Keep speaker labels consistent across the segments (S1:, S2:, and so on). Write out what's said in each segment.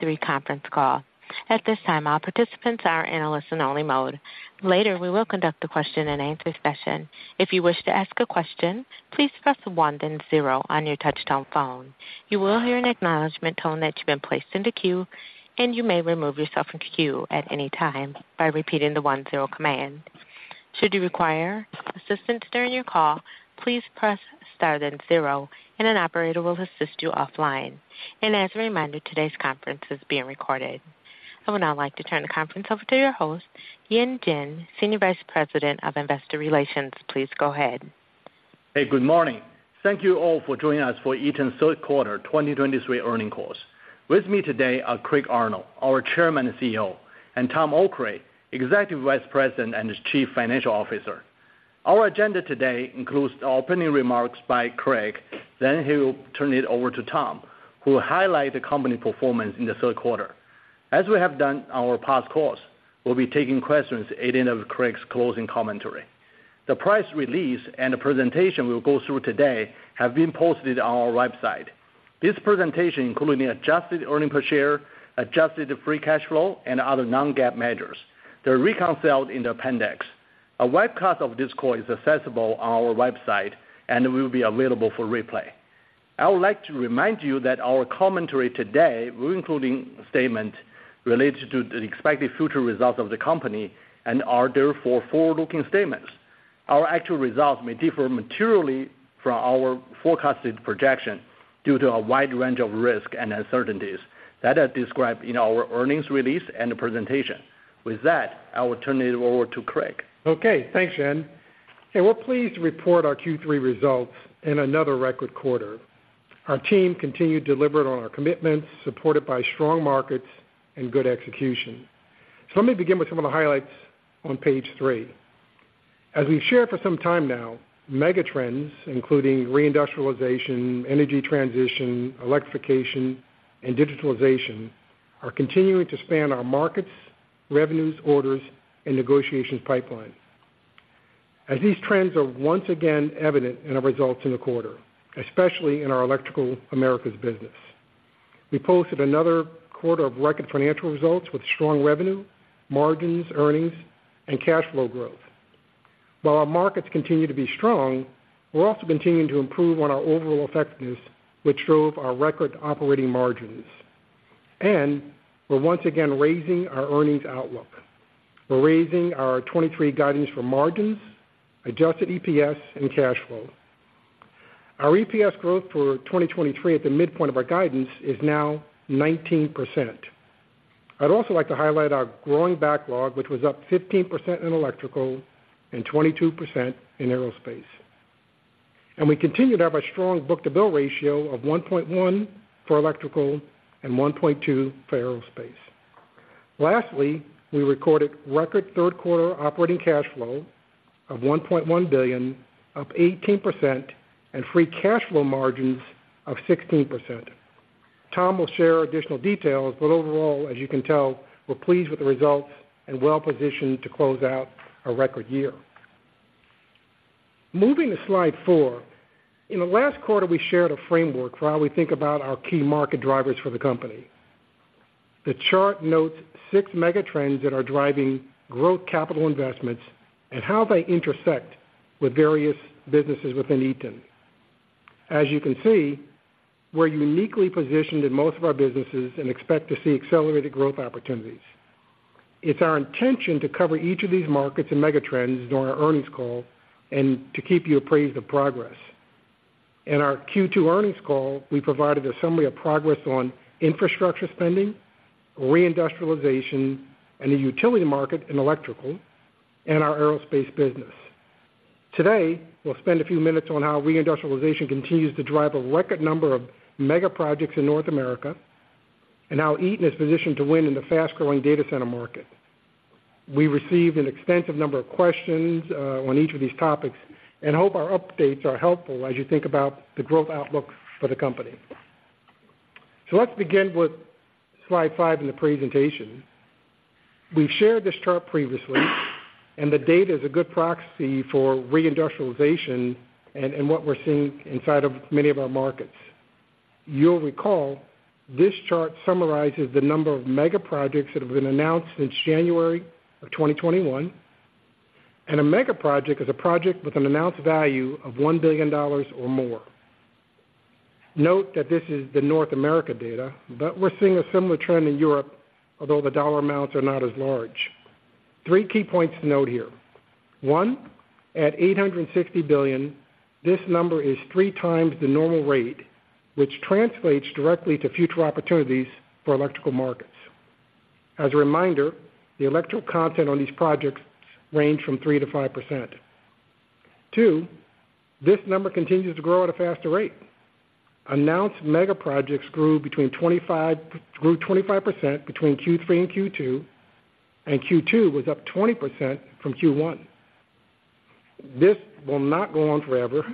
S1: Q3 conference call. At this time, all participants are in a listen-only mode. Later, we will conduct a question-and-answer session. If you wish to ask a question, please press one, then zero on your touchtone phone. You will hear an acknowledgment tone that you've been placed in the queue, and you may remove yourself from queue at any time by repeating the one-zero command. Should you require assistance during your call, please press star, then zero, and an operator will assist you offline. As a reminder, today's conference is being recorded. I would now like to turn the conference over to your host, Yan Jin, Senior Vice President of Investor Relations. Please go ahead.
S2: Hey, good morning. Thank you all for joining us for Eaton's third quarter 2023 earnings call. With me today are Craig Arnold, our Chairman and CEO, and Tom Okray, Executive Vice President and Chief Financial Officer. Our agenda today includes opening remarks by Craig. Then he will turn it over to Tom, who will highlight the company performance in the third quarter. As we have done in our past calls, we'll be taking questions at the end of Craig's closing commentary. The press release and the presentation we'll go through today have been posted on our website. This presentation, including adjusted earnings per share, adjusted free cash flow, and other non-GAAP measures. They're reconciled in the appendix. A webcast of this call is accessible on our website and will be available for replay. I would like to remind you that our commentary today will include statements related to the expected future results of the company and are therefore forward-looking statements. Our actual results may differ materially from our forecasted projection due to a wide range of risks and uncertainties that are described in our earnings release and the presentation. With that, I will turn it over to Craig.
S3: Okay, thanks, Yan. And we're pleased to report our Q3 results in another record quarter. Our team continued to deliver on our commitments, supported by strong markets and good execution. So let me begin with some of the highlights on page three. As we've shared for some time now, megatrends, including reindustrialization, energy transition, electrification, and digitalization, are continuing to span our markets, revenues, orders, and negotiations pipelines. As these trends are once again evident in our results in the quarter, especially in our Electrical Americas business, we posted another quarter of record financial results with strong revenue, margins, earnings, and cash flow growth. While our markets continue to be strong, we're also continuing to improve on our overall effectiveness, which drove our record operating margins. And we're once again raising our earnings outlook. We're raising our 2023 guidance for margins, adjusted EPS, and cash flow. Our EPS growth for 2023 at the midpoint of our guidance is now 19%. I'd also like to highlight our growing backlog, which was up 15% in electrical and 22% in aerospace. We continue to have a strong book-to-bill ratio of 1.1 for electrical and 1.2 for aerospace. Lastly, we recorded record third quarter operating cash flow of $1.1 billion, up 18%, and free cash flow margins of 16%. Tom will share additional details, but overall, as you can tell, we're pleased with the results and well-positioned to close out a record year. Moving to slide 4. In the last quarter, we shared a framework for how we think about our key market drivers for the company. The chart notes 6 megatrends that are driving growth, capital investments, and how they intersect with various businesses within Eaton. As you can see, we're uniquely positioned in most of our businesses and expect to see accelerated growth opportunities. It's our intention to cover each of these markets and megatrends during our earnings call and to keep you appraised of progress. In our Q2 earnings call, we provided a summary of progress on infrastructure spending, reindustrialization, and the utility market in electrical and our aerospace business. Today, we'll spend a few minutes on how reindustrialization continues to drive a record number of mega projects in North America and how Eaton is positioned to win in the fast-growing data center market. We received an extensive number of questions on each of these topics and hope our updates are helpful as you think about the growth outlook for the company. Let's begin with slide five in the presentation. We've shared this chart previously, and the data is a good proxy for reindustrialization and what we're seeing inside of many of our markets. You'll recall, this chart summarizes the number of mega projects that have been announced since January of 2021. A mega project is a project with an announced value of $1 billion or more. Note that this is the North America data, but we're seeing a similar trend in Europe, although the dollar amounts are not as large. Three key points to note here. One, at $860 billion, this number is 3x the normal rate, which translates directly to future opportunities for electrical markets. As a reminder, the electrical content on these projects range from 3%-5%. Two, this number continues to grow at a faster rate. Announced mega projects grew 25% between Q3 and Q2, and Q2 was up 20% from Q1. This will not go on forever,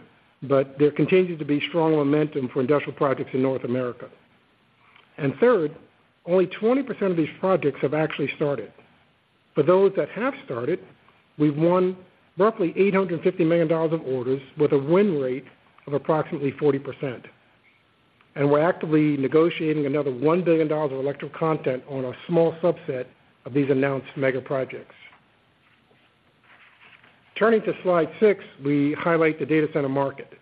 S3: but there continues to be strong momentum for industrial projects in North America. And third, only 20% of these projects have actually started. For those that have started, we've won roughly $850 million of orders, with a win rate of approximately 40%. And we're actively negotiating another $1 billion of electrical content on a small subset of these announced mega projects. Turning to slide 6, we highlight the data center market.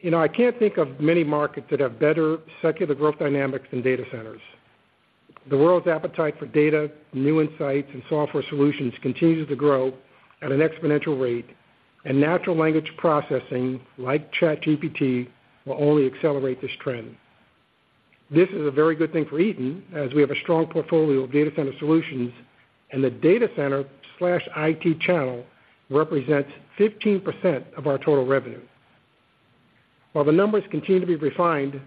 S3: You know, I can't think of many markets that have better secular growth dynamics than data centers. The world's appetite for data, new insights, and software solutions continues to grow at an exponential rate, and natural language processing, like ChatGPT, will only accelerate this trend. This is a very good thing for Eaton, as we have a strong portfolio of data center solutions, and the data center/IT channel represents 15% of our total revenue. While the numbers continue to be refined,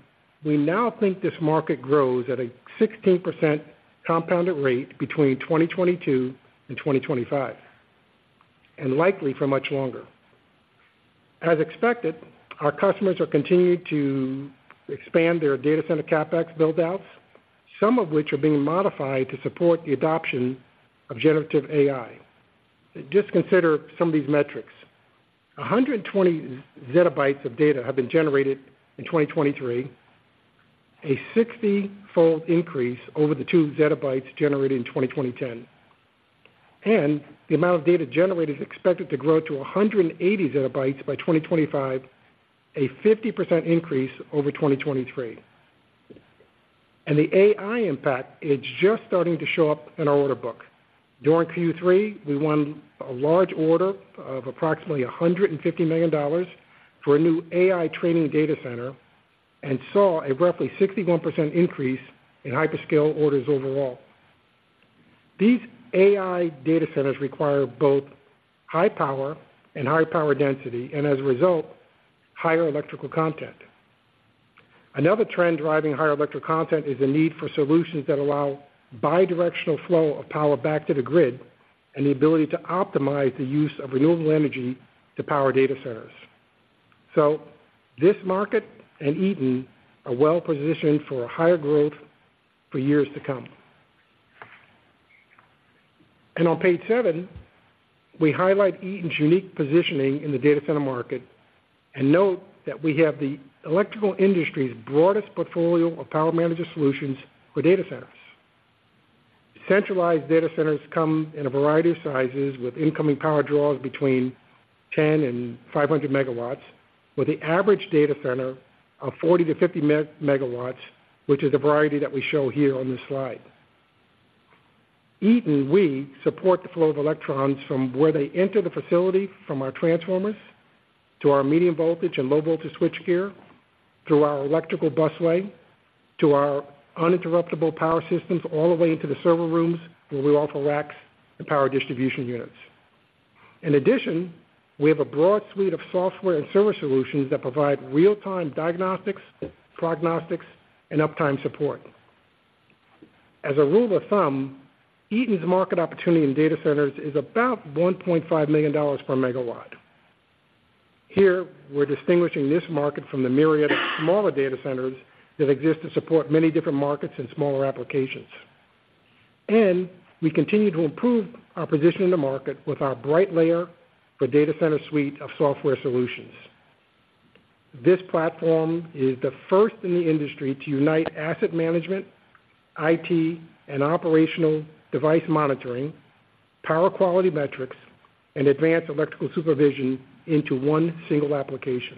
S3: we now think this market grows at a 16% compounded rate between 2022 and 2025, and likely for much longer. As expected, our customers are continuing to expand their data center CapEx build-outs, some of which are being modified to support the adoption of generative AI. Just consider some of these metrics. 120 ZB of data have been generated in 2023, a 60-fold increase over the 2 ZB generated in 2010. And the amount of data generated is expected to grow to 180 ZB by 2025, a 50% increase over 2023. The AI impact is just starting to show up in our order book. During Q3, we won a large order of approximately $150 million for a new AI training data center and saw a roughly 61% increase in hyperscale orders overall. These AI data centers require both high power and high power density, and as a result, higher electrical content. Another trend driving higher electrical content is the need for solutions that allow bidirectional flow of power back to the grid, and the ability to optimize the use of renewable energy to power data centers. So this market and Eaton are well positioned for higher growth for years to come. On page seven, we highlight Eaton's unique positioning in the data center market, and note that we have the electrical industry's broadest portfolio of power manager solutions for data centers. Centralized data centers come in a variety of sizes, with incoming power draws between 10-500 MW, with the average data center of 40-50 MW, which is the variety that we show here on this slide. Eaton, we support the flow of electrons from where they enter the facility, from our transformers to our medium voltage and low voltage switchgear, through our electrical busway, to our uninterruptible power systems, all the way into the server rooms, where we offer racks and power distribution units. In addition, we have a broad suite of software and service solutions that provide real-time diagnostics, prognostics, and uptime support. As a rule of thumb, Eaton's market opportunity in data centers is about $1.5 million per MW. Here, we're distinguishing this market from the myriad of smaller data centers that exist to support many different markets and smaller applications. We continue to improve our position in the market with our Brightlayer Data Centers suite of software solutions. This platform is the first in the industry to unite asset management, IT, and operational device monitoring, power quality metrics, and advanced electrical supervision into one single application.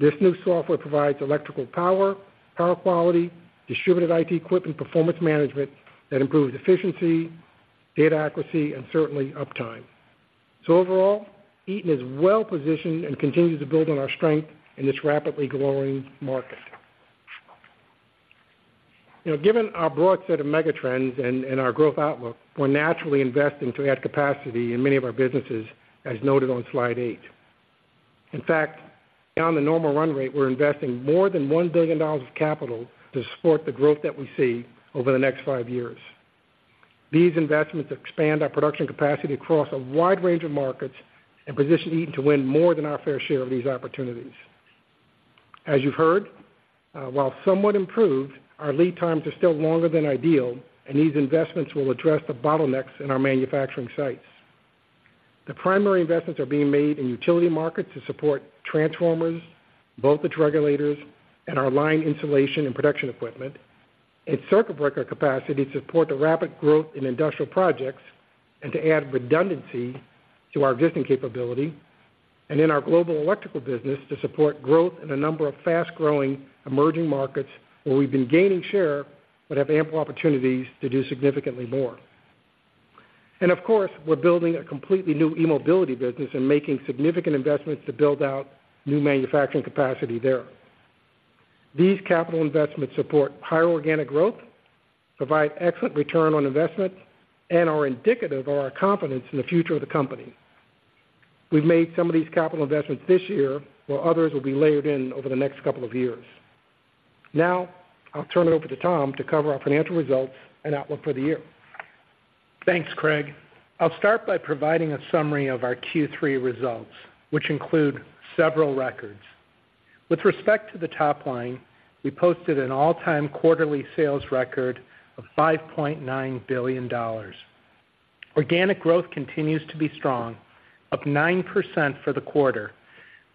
S3: This new software provides electrical power, power quality, distributed IT equipment performance management that improves efficiency, data accuracy, and certainly uptime. So overall, Eaton is well positioned and continues to build on our strength in this rapidly growing market. You know, given our broad set of mega trends and our growth outlook, we're naturally investing to add capacity in many of our businesses, as noted on slide 8. In fact, on the normal run rate, we're investing more than $1 billion of capital to support the growth that we see over the next 5 years. These investments expand our production capacity across a wide range of markets and position Eaton to win more than our fair share of these opportunities. As you've heard, while somewhat improved, our lead times are still longer than ideal, and these investments will address the bottlenecks in our manufacturing sites. The primary investments are being made in utility markets to support transformers, voltage regulators, and our line insulation and production equipment, and circuit breaker capacity to support the rapid growth in industrial projects and to add redundancy to our existing capability, and in our global electrical business to support growth in a number of fast-growing emerging markets where we've been gaining share but have ample opportunities to do significantly more. Of course, we're building a completely new eMobility business and making significant investments to build out new manufacturing capacity there. These capital investments support higher organic growth, provide excellent return on investment, and are indicative of our confidence in the future of the company. We've made some of these capital investments this year, while others will be layered in over the next couple of years. Now, I'll turn it over to Tom to cover our financial results and outlook for the year.
S4: Thanks, Craig. I'll start by providing a summary of our Q3 results, which include several records. With respect to the top line, we posted an all-time quarterly sales record of $5.9 billion. Organic growth continues to be strong, up 9% for the quarter,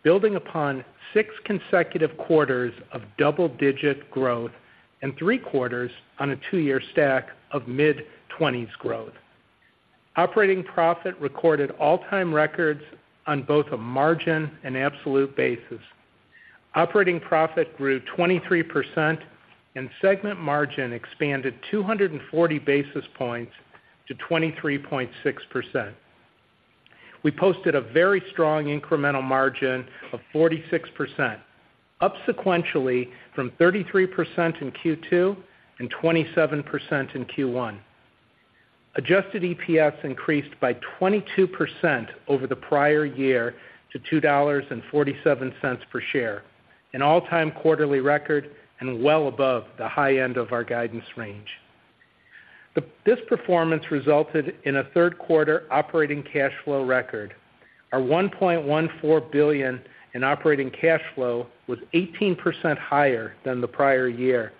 S4: building upon 6 consecutive quarters of double-digit growth and 3 quarters on a 2-year stack of mid-20s growth. Operating profit recorded all-time records on both a margin and absolute basis. Operating profit grew 23%, and segment margin expanded 240 basis points to 23.6%. We posted a very strong incremental margin of 46%, up sequentially from 33% in Q2 and 27% in Q1. Adjusted EPS increased by 22% over the prior year to $2.47 per share, an all-time quarterly record and well above the high end of our guidance range. This performance resulted in a third quarter operating cash flow record. Our $1.14 billion in operating cash flow was 18% higher than the prior year,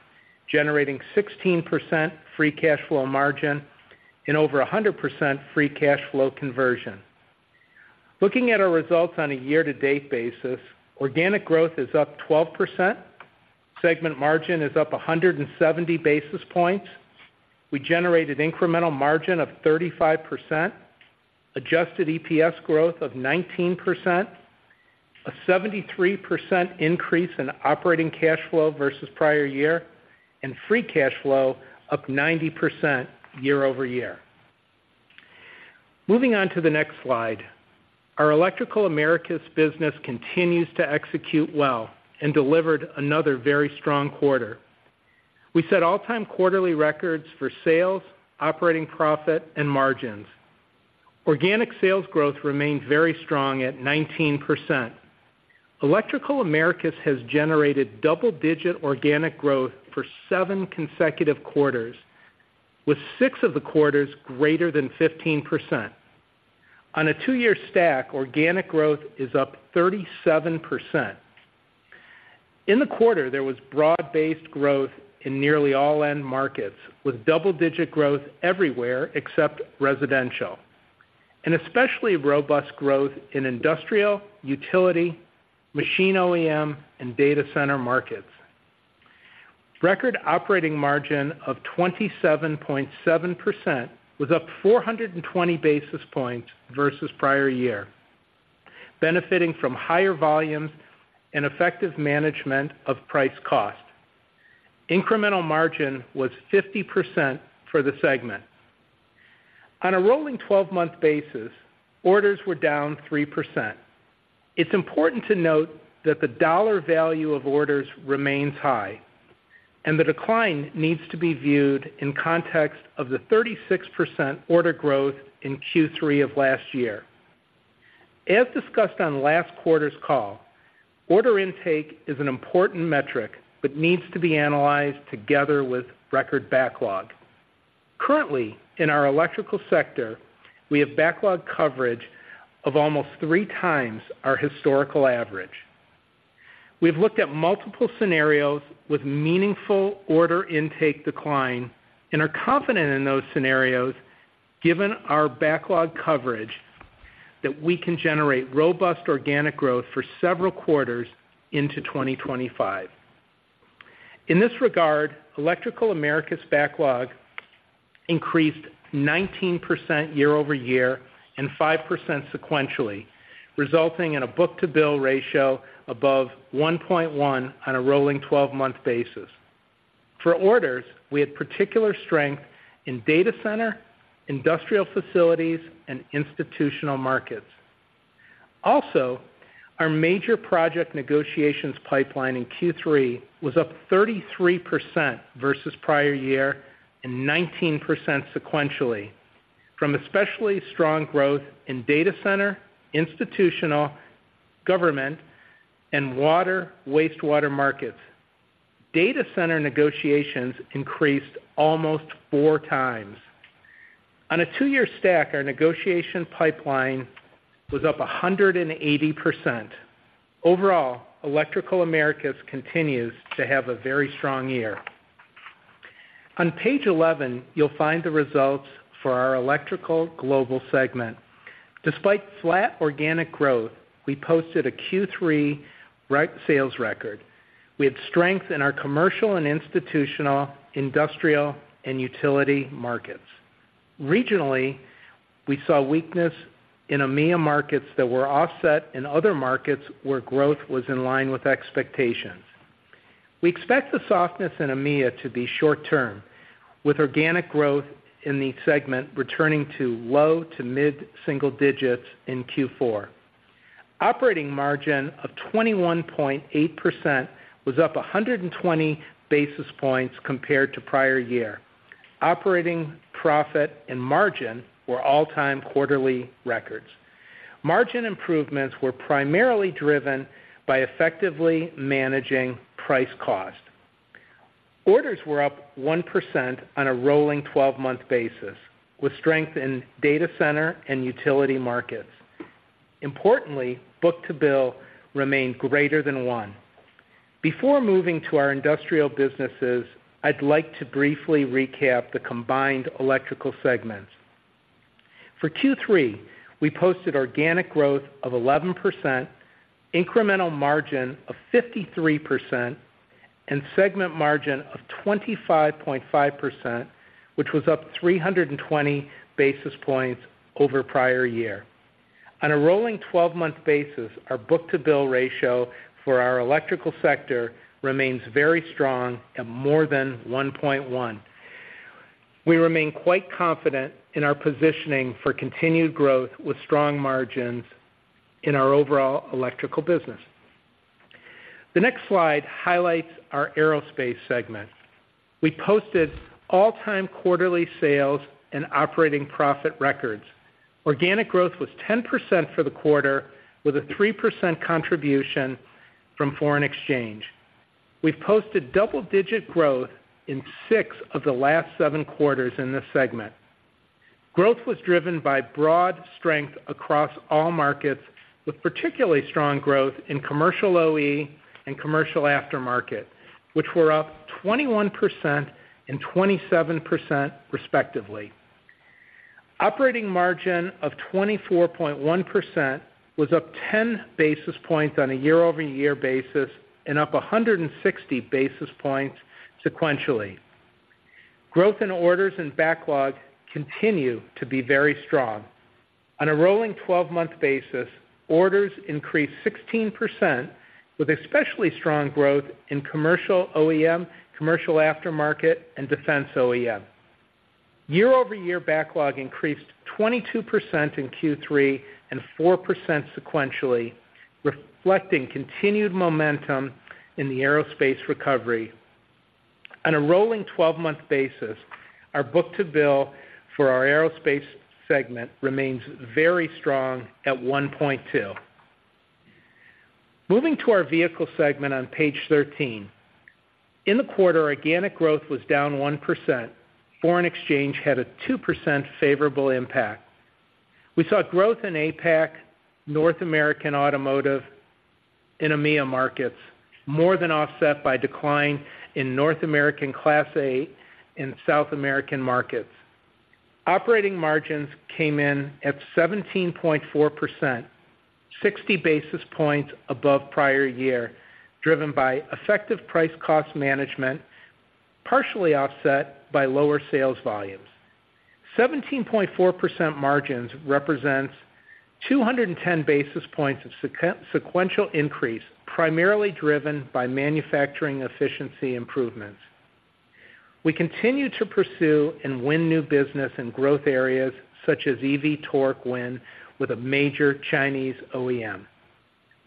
S4: generating 16% free cash flow margin and over 100% free cash flow conversion. Looking at our results on a year-to-date basis, organic growth is up 12%, segment margin is up 170 basis points. We generated incremental margin of 35%, Adjusted EPS growth of 19%, a 73% increase in operating cash flow versus prior year, and free cash flow up 90% year-over-year. Moving on to the next slide. Our Electrical Americas business continues to execute well and delivered another very strong quarter. We set all-time quarterly records for sales, operating profit, and margins. Organic sales growth remained very strong at 19%. Electrical Americas has generated double-digit organic growth for 7 consecutive quarters, with 6 of the quarters greater than 15%. On a two-year stack, organic growth is up 37%. In the quarter, there was broad-based growth in nearly all end markets, with double-digit growth everywhere except residential, and especially robust growth in industrial, utility, machine OEM, and data center markets. Record operating margin of 27.7% was up 420 basis points versus prior year, benefiting from higher volumes and effective management of price cost. Incremental margin was 50% for the segment. On a rolling 12-month basis, orders were down 3%. It's important to note that the dollar value of orders remains high, and the decline needs to be viewed in context of the 36% order growth in Q3 of last year. As discussed on last quarter's call, order intake is an important metric, but needs to be analyzed together with record backlog. Currently, in our electrical sector, we have backlog coverage of almost 3x our historical average. We've looked at multiple scenarios with meaningful order intake decline and are confident in those scenarios, given our backlog coverage, that we can generate robust organic growth for several quarters into 2025. In this regard, Electrical Americas backlog increased 19% year-over-year and 5% sequentially, resulting in a book-to-bill ratio above 1.1 on a rolling 12-month basis. For orders, we had particular strength in data center, industrial facilities, and institutional markets. Also, our major project negotiations pipeline in Q3 was up 33% versus prior year and 19% sequentially from especially strong growth in data center, institutional, government, and water/wastewater markets. Data center negotiations increased almost 4x. On a 2-year stack, our negotiation pipeline was up 180%. Overall, Electrical Americas continues to have a very strong year. On page 11, you'll find the results for our Electrical Global segment. Despite flat organic growth, we posted a Q3 record sales record. We had strength in our commercial and institutional, industrial, and utility markets. Regionally, we saw weakness in EMEA markets that were offset in other markets where growth was in line with expectations. We expect the softness in EMEA to be short term, with organic growth in the segment returning to low- to mid-single digits in Q4. Operating margin of 21.8% was up 120 basis points compared to prior year. Operating profit and margin were all-time quarterly records. Margin improvements were primarily driven by effectively managing price cost.... Orders were up 1% on a rolling 12-month basis, with strength in data center and utility markets. Importantly, book-to-bill remained greater than one. Before moving to our industrial businesses, I'd like to briefly recap the combined electrical segments. For Q3, we posted organic growth of 11%, incremental margin of 53%, and segment margin of 25.5%, which was up 320 basis points over prior year. On a rolling 12-month basis, our book-to-bill ratio for our electrical sector remains very strong at more than 1.1. We remain quite confident in our positioning for continued growth with strong margins in our overall electrical business. The next slide highlights our aerospace segment. We posted all-time quarterly sales and operating profit records. Organic growth was 10% for the quarter, with a 3% contribution from foreign exchange. We've posted double-digit growth in 6 of the last 7 quarters in this segment. Growth was driven by broad strength across all markets, with particularly strong growth in commercial OE and commercial aftermarket, which were up 21% and 27% respectively. Operating margin of 24.1% was up 10 basis points on a year-over-year basis and up 160 basis points sequentially. Growth in orders and backlog continue to be very strong. On a rolling 12-month basis, orders increased 16%, with especially strong growth in commercial OEM, commercial aftermarket, and defense OEM. Year-over-year backlog increased 22% in Q3 and 4% sequentially, reflecting continued momentum in the aerospace recovery. On a rolling 12-month basis, our book-to-bill for our aerospace segment remains very strong at 1.2. Moving to our vehicle segment on page 13. In the quarter, organic growth was down 1%. Foreign exchange had a 2% favorable impact. We saw growth in APAC, North American Automotive and EMEA markets, more than offset by decline in North American Class 8 and South American markets. Operating margins came in at 17.4%, 60 basis points above prior year, driven by effective price cost management, partially offset by lower sales volumes. 17.4% margins represents 210 basis points of sequential increase, primarily driven by manufacturing efficiency improvements. We continue to pursue and win new business in growth areas such as EV torque win with a major Chinese OEM.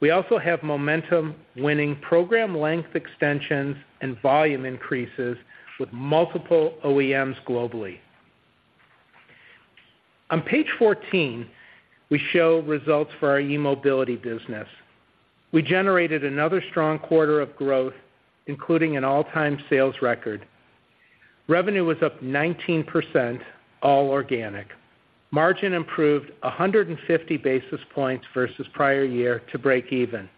S4: We also have momentum winning program length extensions and volume increases with multiple OEMs globally. On page 14, we show results for our eMobility business. We generated another strong quarter of growth, including an all-time sales record. Revenue was up 19%, all organic. Margin improved 150 basis points versus prior year to break even.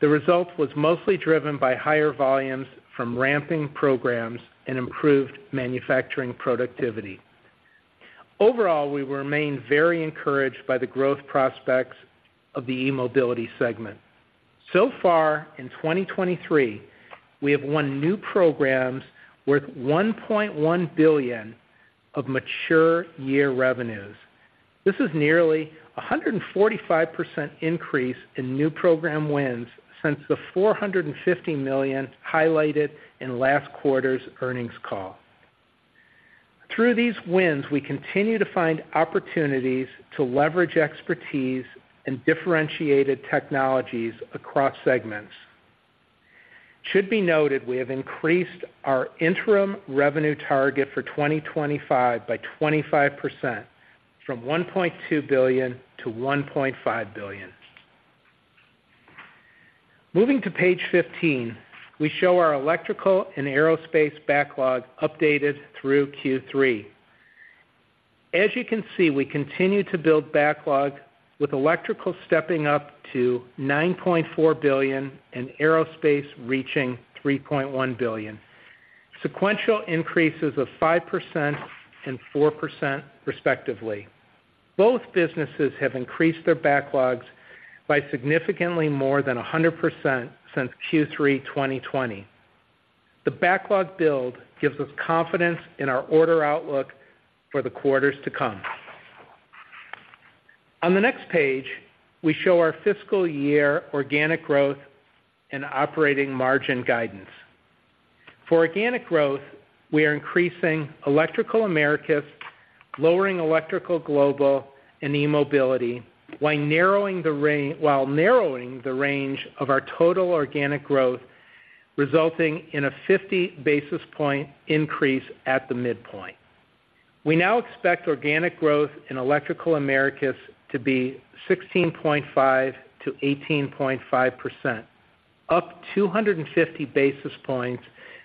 S4: The result was mostly driven by higher volumes from ramping programs and improved manufacturing productivity. Overall, we remain very encouraged by the growth prospects of the eMobility segment. So far in 2023, we have won new programs worth $1.1 billion of mature year revenues. This is nearly 145% increase in new program wins since the $450 million highlighted in last quarter's earnings call. Through these wins, we continue to find opportunities to leverage expertise and differentiated technologies across segments. Should be noted, we have increased our interim revenue target for 2025 by 25%, from $1.2 billion to $1.5 billion. Moving to page 15, we show our electrical and aerospace backlog updated through Q3. As you can see, we continue to build backlog, with Electrical stepping up to $9.4 billion and Aerospace reaching $3.1 billion. Sequential increases of 5% and 4% respectively. Both businesses have increased their backlogs by significantly more than 100% since Q3 2020. The backlog build gives us confidence in our order outlook for the quarters to come. On the next page, we show our fiscal year organic growth and operating margin guidance. For organic growth, we are increasing Electrical Americas, lowering Electrical Global and eMobility, while narrowing the range of our total organic growth, resulting in a 50 basis point increase at the midpoint. We now expect organic growth in Electrical Americas to be 16.5%-18.5%, up 250 basis points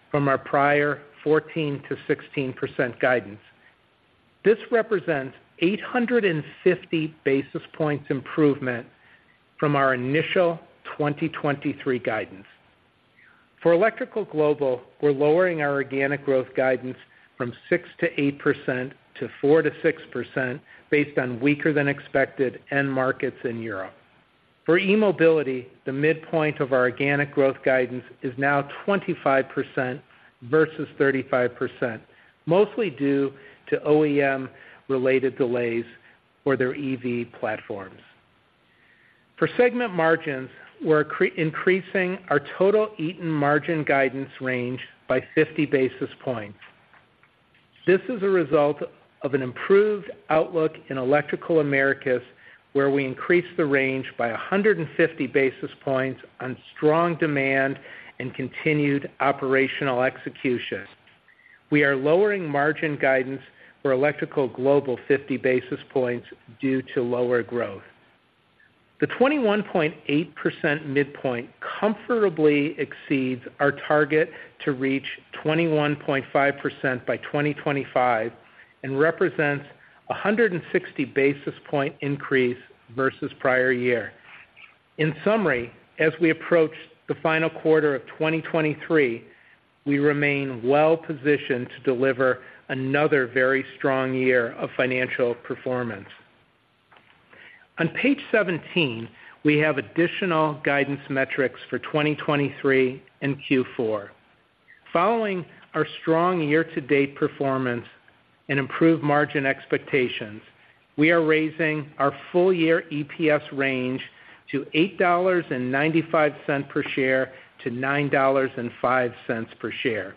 S4: from our prior 14%-16% guidance. This represents 850 basis points improvement from our initial 2023 guidance. For Electrical Global, we're lowering our organic growth guidance from 6%-8% to 4%-6% based on weaker than expected end markets in Europe. For eMobility, the midpoint of our organic growth guidance is now 25% versus 35%, mostly due to OEM related delays for their EV platforms. For segment margins, we're increasing our total Eaton margin guidance range by 50 basis points. This is a result of an improved outlook in Electrical Americas, where we increased the range by 150 basis points on strong demand and continued operational execution. We are lowering margin guidance for Electrical Global 50 basis points due to lower growth. The 21.8% midpoint comfortably exceeds our target to reach 21.5% by 2025, and represents a 160 basis point increase versus prior year. In summary, as we approach the final quarter of 2023, we remain well positioned to deliver another very strong year of financial performance. On page 17, we have additional guidance metrics for 2023 and Q4. Following our strong year-to-date performance and improved margin expectations, we are raising our full year EPS range to $8.95-$9.05 per share.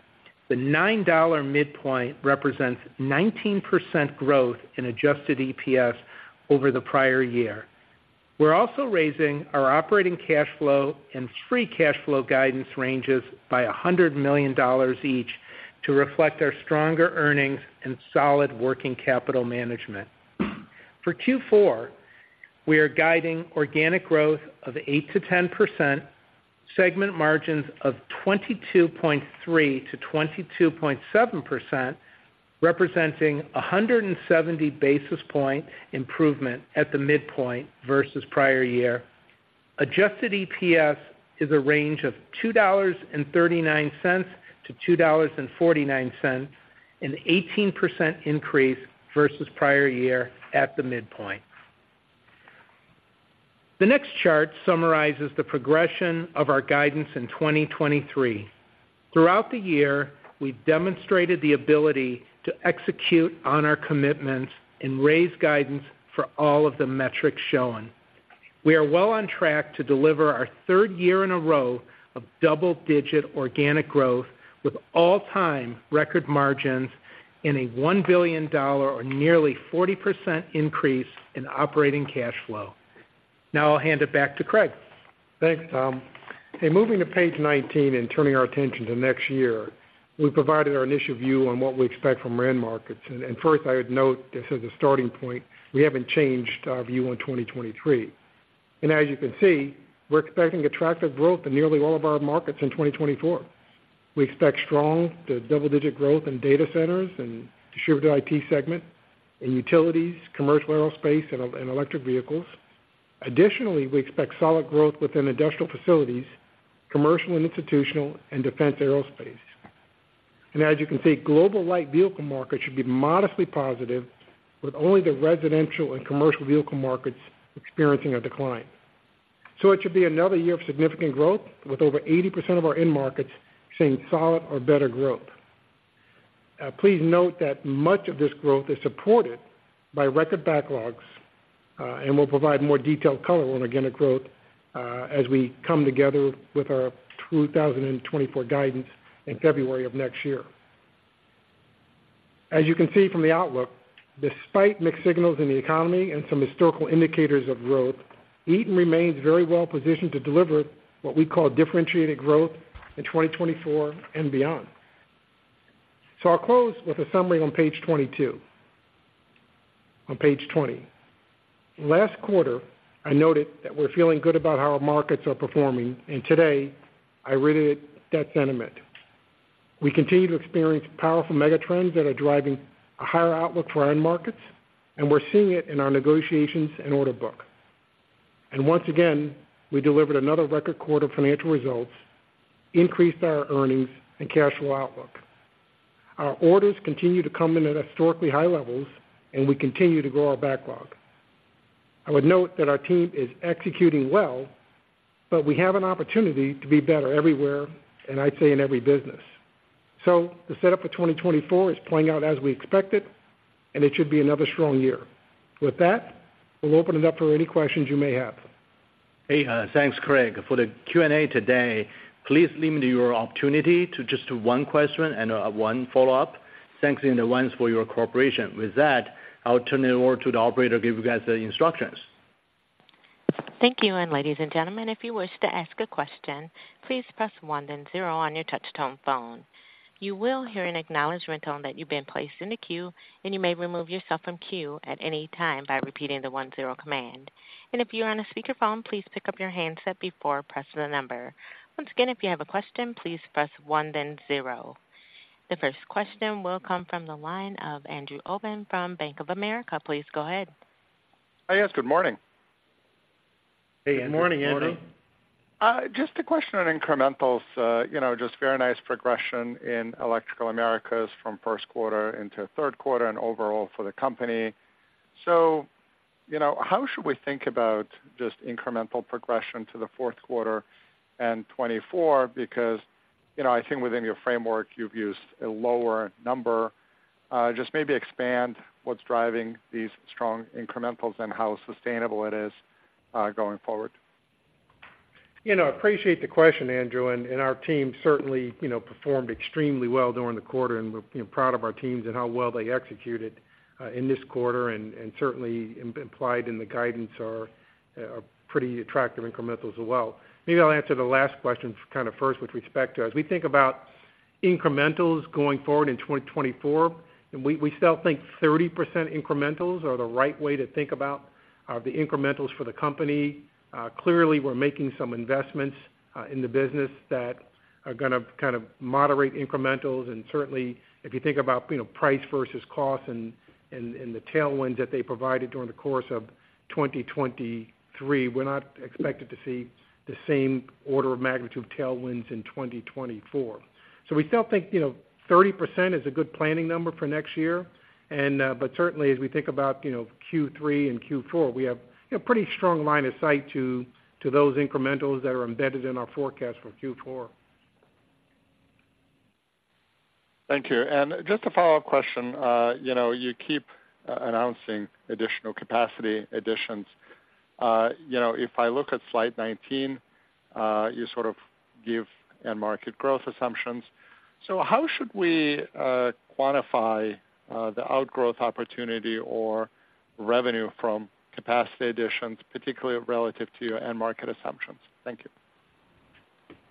S4: The $9 midpoint represents 19% growth in Adjusted EPS over the prior year. We're also raising our operating cash flow and free cash flow guidance ranges by $100 million each, to reflect our stronger earnings and solid working capital management. For Q4, we are guiding organic growth of 8%-10%, segment margins of 22.3%-22.7%, representing a 170 basis point improvement at the midpoint versus prior year. Adjusted EPS is a range of $2.39-$2.49, an 18% increase versus prior year at the midpoint. The next chart summarizes the progression of our guidance in 2023. Throughout the year, we've demonstrated the ability to execute on our commitments and raise guidance for all of the metrics shown. We are well on track to deliver our third year in a row of double-digit organic growth, with all-time record margins and a $1 billion, or nearly 40% increase in operating cash flow. Now I'll hand it back to Craig.
S3: Thanks, Tom. Hey, moving to page 19 and turning our attention to next year, we provided our initial view on what we expect from end markets. And first, I would note this as a starting point, we haven't changed our view on 2023. And as you can see, we're expecting attractive growth in nearly all of our markets in 2024. We expect strong to double-digit growth in data centers and distributed IT segment, in utilities, commercial aerospace, and eMobility and electric vehicles. Additionally, we expect solid growth within industrial facilities, commercial and institutional, and defense aerospace. And as you can see, global light vehicle markets should be modestly positive, with only the residential and commercial vehicle markets experiencing a decline. So it should be another year of significant growth, with over 80% of our end markets seeing solid or better growth. Please note that much of this growth is supported by record backlogs, and we'll provide more detailed color on organic growth, as we come together with our 2024 guidance in February of next year. As you can see from the outlook, despite mixed signals in the economy and some historical indicators of growth, Eaton remains very well positioned to deliver what we call differentiated growth in 2024 and beyond. So I'll close with a summary on page 22. On page 20. Last quarter, I noted that we're feeling good about how our markets are performing, and today, I reiterate that sentiment. We continue to experience powerful mega trends that are driving a higher outlook for our end markets, and we're seeing it in our negotiations and order book. Once again, we delivered another record quarter financial results, increased our earnings and cash flow outlook. Our orders continue to come in at historically high levels, and we continue to grow our backlog. I would note that our team is executing well, but we have an opportunity to be better everywhere, and I'd say in every business. The setup for 2024 is playing out as we expected, and it should be another strong year. With that, we'll open it up for any questions you may have.
S2: Hey, thanks, Craig. For the Q&A today, please limit your opportunity to just one question and one follow-up. Thanks in advance for your cooperation. With that, I'll turn it over to the operator to give you guys the instructions....
S1: Thank you. And ladies and gentlemen, if you wish to ask a question, please press one, then zero on your touch-tone phone. You will hear an acknowledgment tone that you've been placed in the queue, and you may remove yourself from queue at any time by repeating the one zero command. And if you are on a speakerphone, please pick up your handset before pressing the number. Once again, if you have a question, please press one, then zero. The first question will come from the line of Andrew Obin from Bank of America. Please go ahead.
S5: Hi, yes, Good morning.
S3: Hey, Andrew. Good morning.
S2: Good morning, Andrew.
S5: Just a question on incrementals. You know, just very nice progression in Electrical Americas from first quarter into third quarter and overall for the company. So, you know, how should we think about just incremental progression to the fourth quarter and 2024? Because, you know, I think within your framework, you've used a lower number. Just maybe expand what's driving these strong incrementals and how sustainable it is, going forward.
S3: You know, I appreciate the question, Andrew, and our team certainly, you know, performed extremely well during the quarter, and we're, you know, proud of our teams and how well they executed in this quarter, and certainly implied in the guidance are pretty attractive incrementals as well. Maybe I'll answer the last question kind of first with respect to. As we think about incrementals going forward in 2024, and we still think 30% incrementals are the right way to think about the incrementals for the company. Clearly, we're making some investments in the business that are gonna kind of moderate incrementals. Certainly, if you think about, you know, price versus cost and the tailwinds that they provided during the course of 2023, we're not expected to see the same order of magnitude of tailwinds in 2024. So we still think, you know, 30% is a good planning number for next year, and but certainly, as we think about, you know, Q3 and Q4, we have a pretty strong line of sight to those incrementals that are embedded in our forecast for Q4.
S5: Thank you. And just a follow-up question. You know, you keep announcing additional capacity additions. You know, if I look at slide 19, you sort of give end market growth assumptions. So how should we quantify the outgrowth opportunity or revenue from capacity additions, particularly relative to your end market assumptions? Thank you.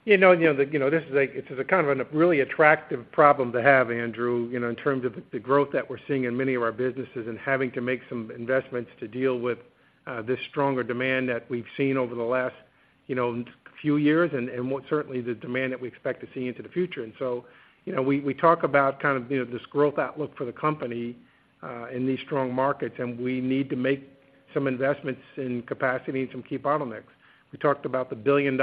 S3: You know, you know, the, you know, this is a, this is a kind of a really attractive problem to have, Andrew, you know, in terms of the, the growth that we're seeing in many of our businesses and having to make some investments to deal with this stronger demand that we've seen over the last, you know, few years, and, and what certainly the demand that we expect to see into the future. And so, you know, we, we talk about kind of, you know, this growth outlook for the company in these strong markets, and we need to make some investments in capacity and some key bottlenecks. We talked about the $1 billion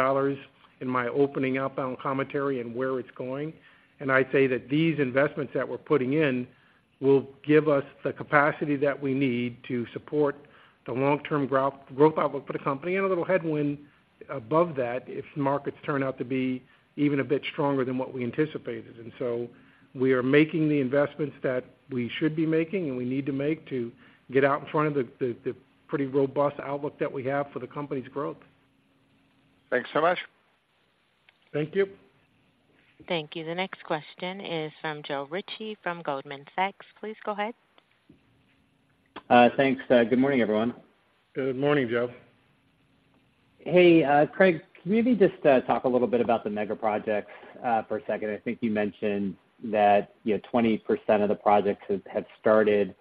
S3: in my opening commentary and where it's going, and I'd say that these investments that we're putting in will give us the capacity that we need to support the long-term growth outlook for the company and a little headwind above that, if markets turn out to be even a bit stronger than what we anticipated. And so we are making the investments that we should be making, and we need to make to get out in front of the pretty robust outlook that we have for the company's growth.
S5: Thanks so much.
S3: Thank you.
S1: Thank you. The next question is from Joe Ritchie from Goldman Sachs. Please go ahead.
S6: Thanks. Good morning, everyone.
S3: Good morning, Joe.
S6: Hey, Craig, can you maybe just talk a little bit about the mega projects for a second? I think you mentioned that, you know, 20% of the projects have started.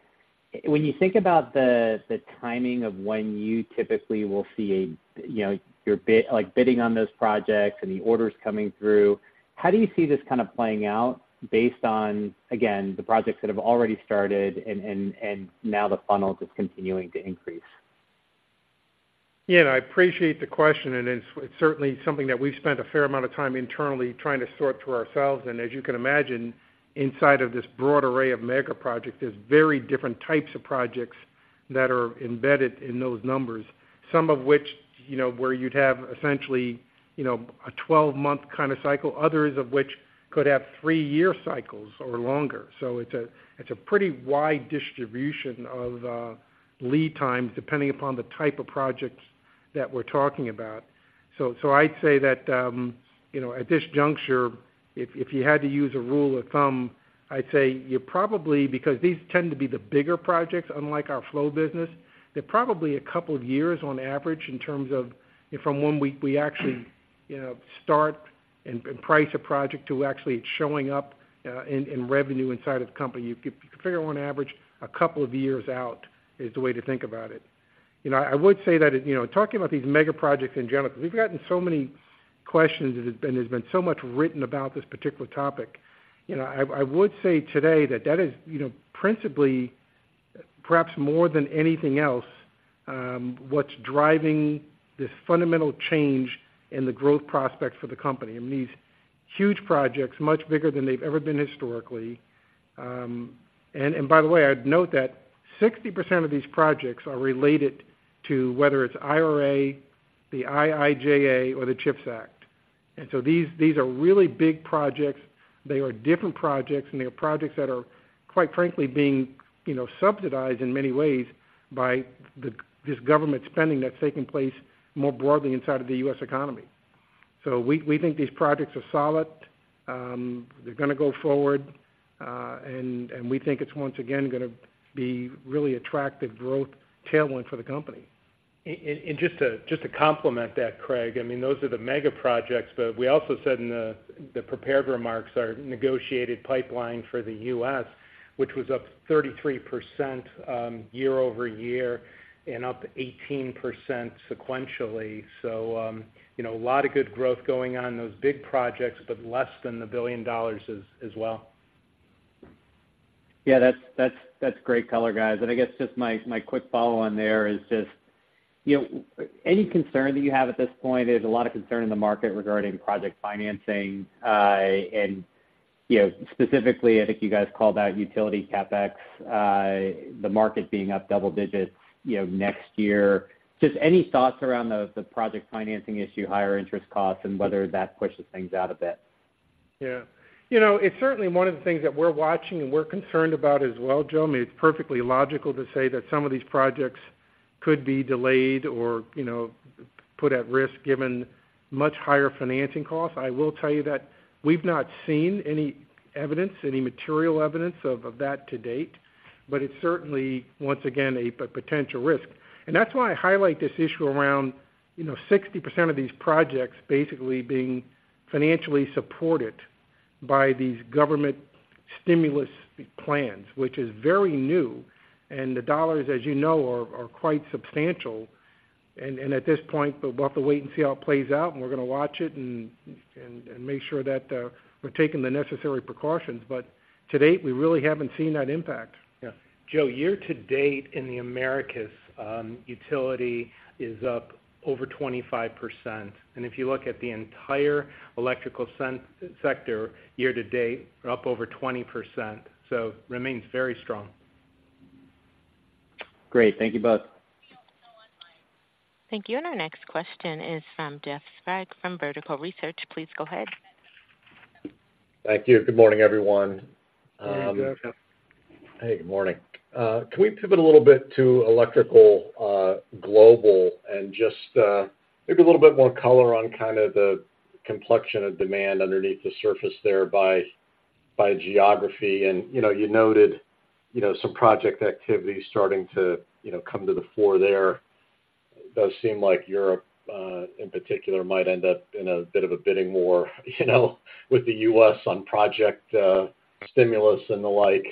S6: When you think about the timing of when you typically will see a, you know, your bid, like, bidding on those projects and the orders coming through, how do you see this kind of playing out based on, again, the projects that have already started and now the funnel is continuing to increase?
S3: Yeah, and I appreciate the question, and it's, it's certainly something that we've spent a fair amount of time internally trying to sort through ourselves. And as you can imagine, inside of this broad array of mega projects, there's very different types of projects that are embedded in those numbers. Some of which, you know, where you'd have essentially, you know, a 12-month kind of cycle, others of which could have 3-year cycles or longer. So it's a, it's a pretty wide distribution of lead times, depending upon the type of projects that we're talking about. So, I'd say that, you know, at this juncture, if you had to use a rule of thumb, I'd say you're probably because these tend to be the bigger projects, unlike our flow business, they're probably a couple of years on average in terms of from when we actually, you know, start and price a project to actually it showing up in revenue inside of the company. You could figure on average, a couple of years out is the way to think about it. You know, I would say that, you know, talking about these mega projects in general, because we've gotten so many questions, and there's been so much written about this particular topic. You know, I would say today that that is, you know, principally, perhaps more than anything else, what's driving this fundamental change in the growth prospects for the company. I mean, these huge projects, much bigger than they've ever been historically. And by the way, I'd note that 60% of these projects are related to whether it's IRA, the IIJA or the CHIPS Act. And so these are really big projects. They are different projects, and they are projects that are, quite frankly, being, you know, subsidized in many ways by the this government spending that's taking place more broadly inside of the U.S. economy. So we think these projects are solid. They're gonna go forward, and we think it's once again gonna be really attractive growth tailwind for the company.
S4: And just to complement that, Craig, I mean, those are the mega projects, but we also said in the prepared remarks, our negotiated pipeline for the US, which was up 33%, year-over-year and up 18% sequentially. So, you know, a lot of good growth going on in those big projects, but less than $1 billion as well.
S6: Yeah, that's great color, guys. And I guess just my quick follow on there is just, you know, any concern that you have at this point? There's a lot of concern in the market regarding project financing. And, you know, specifically, I think you guys called out utility CapEx, the market being up double digits, you know, next year. Just any thoughts around the project financing issue, higher interest costs, and whether that pushes things out a bit?
S3: Yeah. You know, it's certainly one of the things that we're watching and we're concerned about as well, Joe. I mean, it's perfectly logical to say that some of these projects could be delayed or, you know, put at risk, given much higher financing costs. I will tell you that we've not seen any evidence, any material evidence of that to date, but it's certainly, once again, a potential risk. And that's why I highlight this issue around, you know, 60% of these projects basically being financially supported by these government stimulus plans, which is very new. And the dollars, as you know, are quite substantial. And at this point, we'll have to wait and see how it plays out, and we're gonna watch it and make sure that we're taking the necessary precautions. But to date, we really haven't seen that impact.
S4: Yeah. Joe, year to date in the Americas, utility is up over 25%, and if you look at the entire electrical sector, year to date, up over 20%, so remains very strong.
S6: Great. Thank you both.
S1: Thank you. And our next question is from Jeff Sprague from Vertical Research. Please go ahead.
S7: Thank you. Good morning, everyone.
S3: Hey, Jeff.
S7: Hey, good morning. Can we pivot a little bit to Electrical Global and just maybe a little bit more color on kind of the complexion of demand underneath the surface there by geography? And, you know, you noted, you know, some project activity starting to, you know, come to the fore there. It does seem like Europe in particular might end up in a bit of a bidding war, you know, with the U.S. on project stimulus and the like.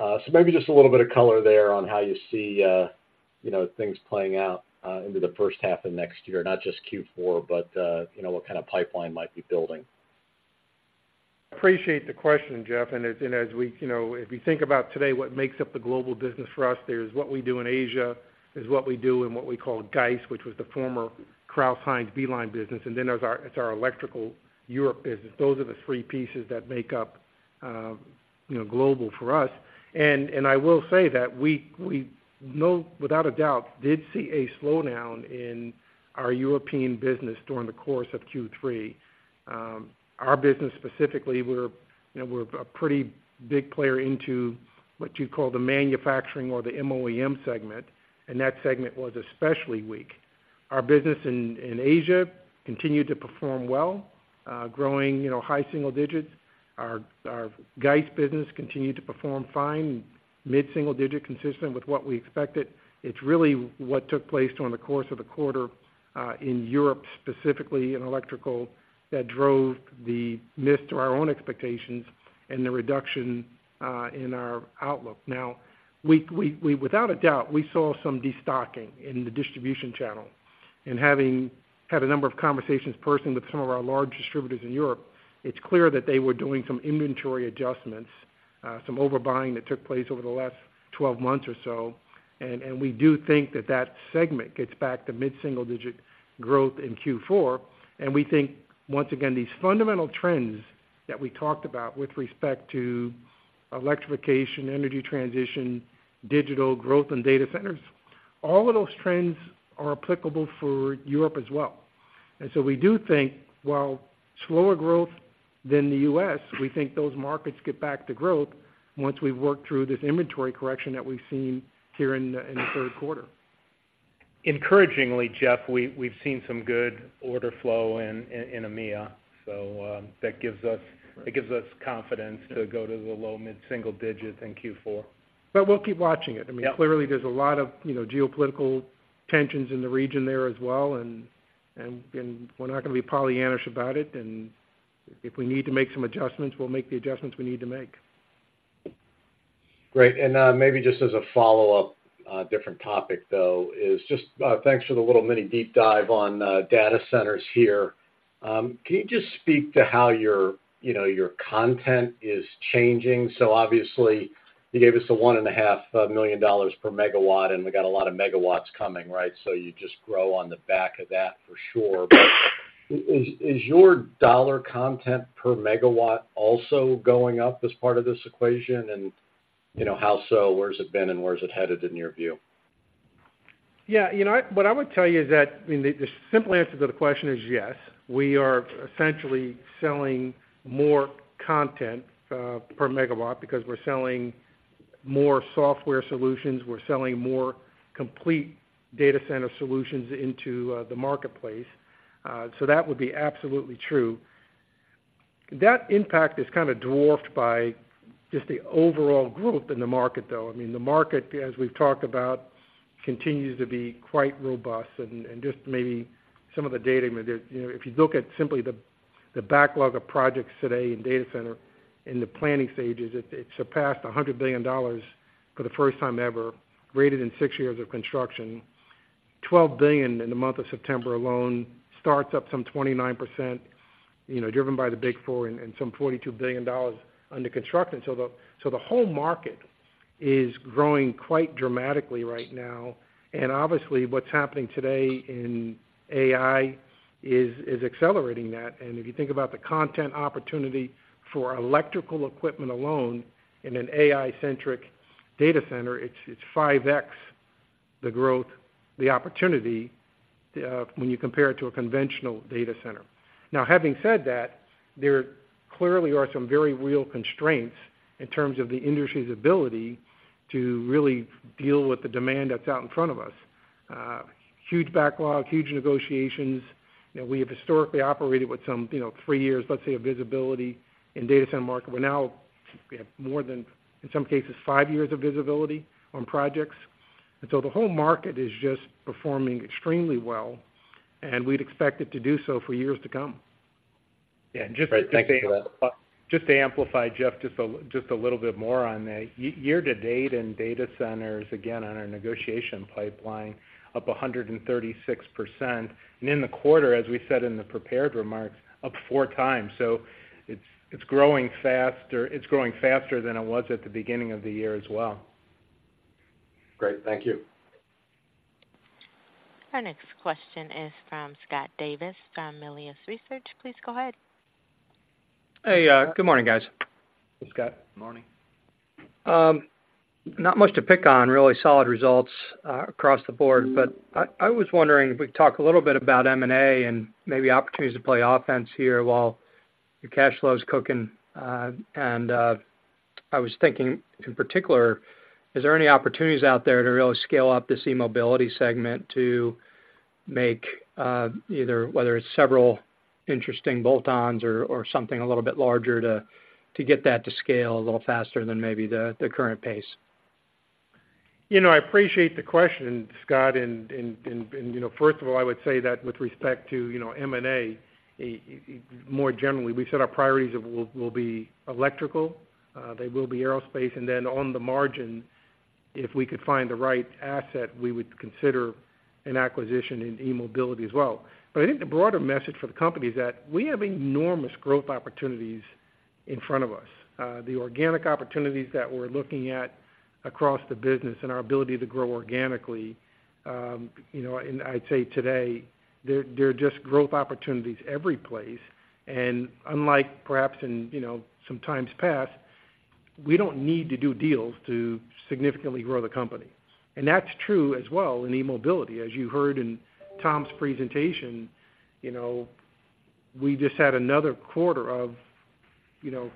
S7: So maybe just a little bit of color there on how you see, you know, things playing out into the first half of next year, not just Q4, but, you know, what kind of pipeline might be building.
S3: Appreciate the question, Jeff. As we—you know, if you think about today, what makes up the global business for us, there's what we do in Asia, what we do in what we call GEIS, which was the former Cooper B-Line business, and then there's our—it's our Electrical Europe business. Those are the three pieces that make up you know, global for us. And I will say that we know, without a doubt, did see a slowdown in our European business during the course of Q3. Our business specifically, we're you know, we're a pretty big player into what you'd call the manufacturing or the MOEM segment, and that segment was especially weak. Our business in Asia continued to perform well, growing you know, high single digits. Our GEIS business continued to perform fine, mid-single digit, consistent with what we expected. It's really what took place during the course of the quarter in Europe, specifically in electrical, that drove the miss to our own expectations and the reduction in our outlook. Now, without a doubt, we saw some destocking in the distribution channel. And having had a number of conversations personally with some of our large distributors in Europe, it's clear that they were doing some inventory adjustments, some overbuying that took place over the last 12 months or so. And we do think that that segment gets back to mid-single digit growth in Q4. And we think, once again, these fundamental trends that we talked about with respect to electrification, energy transition, digital growth and data centers, all of those trends are applicable for Europe as well. And so we do think, while slower growth than the U.S., we think those markets get back to growth once we've worked through this inventory correction that we've seen here in the third quarter.
S4: Encouragingly, Jeff, we've seen some good order flow in EMEA, so that gives us-
S3: Right...
S4: It gives us confidence to go to the low mid-single digits in Q4.
S3: But we'll keep watching it.
S4: Yeah.
S3: I mean, clearly, there's a lot of, you know, geopolitical tensions in the region there as well, and we're not gonna be Pollyannaish about it, and if we need to make some adjustments, we'll make the adjustments we need to make.
S7: Great. And, maybe just as a follow-up, different topic, though, is just, thanks for the little mini deep dive on, data centers here. Can you just speak to how your, you know, your content is changing? So obviously, you gave us the $1.5 million per megawatt, and we got a lot of megawatts coming, right? So you just grow on the back of that for sure. But is your dollar content per megawatt also going up as part of this equation? And, you know, how so? Where has it been, and where is it headed in your view?
S3: Yeah, you know, what I would tell you is that, I mean, the simple answer to the question is yes. We are essentially selling more content per megawatt because we're selling more software solutions, we're selling more complete data center solutions into the marketplace. So that would be absolutely true. That impact is kind of dwarfed by just the overall growth in the market, though. I mean, the market, as we've talked about, continues to be quite robust. Just maybe some of the data, you know, if you look at simply the backlog of projects today in data center, in the planning stages, it surpassed $100 billion for the first time ever, greater than six years of construction. $12 billion in the month of September alone, starts up some 29%, you know, driven by the Big Four and some $42 billion under construction. So the whole market is growing quite dramatically right now. And obviously, what's happening today in AI is accelerating that. And if you think about the content opportunity for electrical equipment alone in an AI-centric data center, it's 5x the growth, the opportunity, when you compare it to a conventional data center. Now, having said that, there clearly are some very real constraints in terms of the industry's ability to really deal with the demand that's out in front of us. Huge backlog, huge negotiations. You know, we have historically operated with some, you know, three years, let's say, of visibility in data center market. We're now. We have more than, in some cases, five years of visibility on projects. And so the whole market is just performing extremely well, and we'd expect it to do so for years to come.
S4: Yeah, and just to-
S8: Great, thank you for that.
S4: Just to amplify, Jeff, just a little bit more on that. Year to date in data centers, again, on our negotiation pipeline, up 136%. And in the quarter, as we said in the prepared remarks, up 4x. So it's, it's growing faster, it's growing faster than it was at the beginning of the year as well.
S8: Great, thank you.
S1: Our next question is from Scott Davis, from Melius Research. Please go ahead.
S9: Hey, good morning, guys.
S3: Hey, Scott.
S4: Morning.
S9: Not much to pick on, really solid results across the board. But I was wondering if we could talk a little bit about M&A and maybe opportunities to play offense here while your cash flow is cooking. And I was thinking, in particular, is there any opportunities out there to really scale up this eMobility segment to make either whether it's several interesting bolt-ons or something a little bit larger to get that to scale a little faster than maybe the current pace?
S3: You know, I appreciate the question, Scott. And, you know, first of all, I would say that with respect to, you know, M&A more generally, we said our priorities will be electrical. They will be aerospace, and then on the margin, if we could find the right asset, we would consider an acquisition in eMobility as well. But I think the broader message for the company is that we have enormous growth opportunities in front of us. The organic opportunities that we're looking at across the business and our ability to grow organically, you know, and I'd say today, there are just growth opportunities every place. And unlike perhaps in, you know, some times past, we don't need to do deals to significantly grow the company. And that's true as well in eMobility. As you heard in Tom's presentation, you know, we just had another quarter of, you know,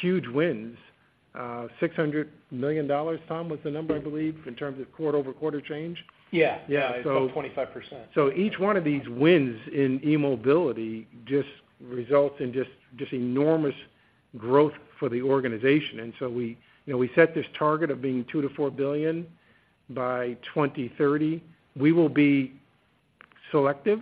S3: huge wins. $600 million, Tom, was the number, I believe, in terms of quarter-over-quarter change?
S4: Yeah.
S3: Yeah, so-
S4: 25%.
S3: So each one of these wins in eMobility just results in just, just enormous growth for the organization. And so we, you know, we set this target of being $2-4 billion by 2030. We will be selective.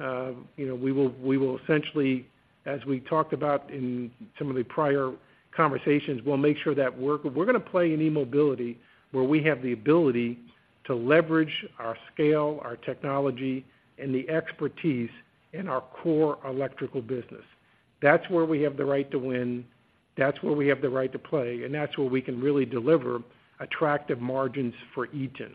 S3: You know, we will, we will essentially, as we talked about in some of the prior conversations, we'll make sure that we're going to play in eMobility, where we have the ability to leverage our scale, our technology, and the expertise in our core electrical business. That's where we have the right to win, that's where we have the right to play, and that's where we can really deliver attractive margins for Eaton.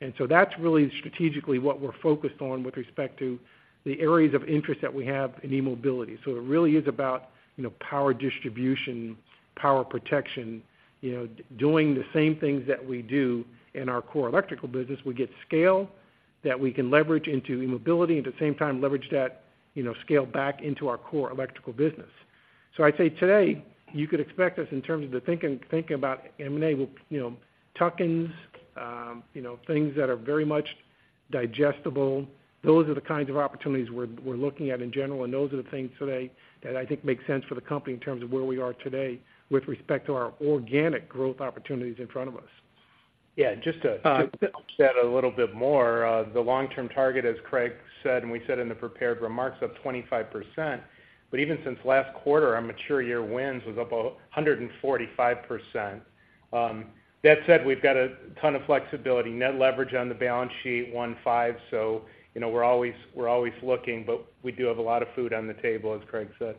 S3: And so that's really strategically what we're focused on with respect to the areas of interest that we have in eMobility. So it really is about, you know, power distribution, power protection, you know, doing the same things that we do in our core electrical business. We get scale that we can leverage into eMobility, at the same time, leverage that, you know, scale back into our core electrical business. So I'd say today, you could expect us in terms of the thinking, thinking about M&A, well, you know, tuck-ins, you know, things that are very much digestible. Those are the kinds of opportunities we're looking at in general, and those are the things today that I think make sense for the company in terms of where we are today with respect to our organic growth opportunities in front of us.
S4: Yeah, just to set a little bit more the long-term target, as Craig said, and we said in the prepared remarks, up 25%. But even since last quarter, our mature year wins was up 145%. That said, we've got a ton of flexibility. Net leverage on the balance sheet, 1.5. So, you know, we're always, we're always looking, but we do have a lot of food on the table, as Craig said.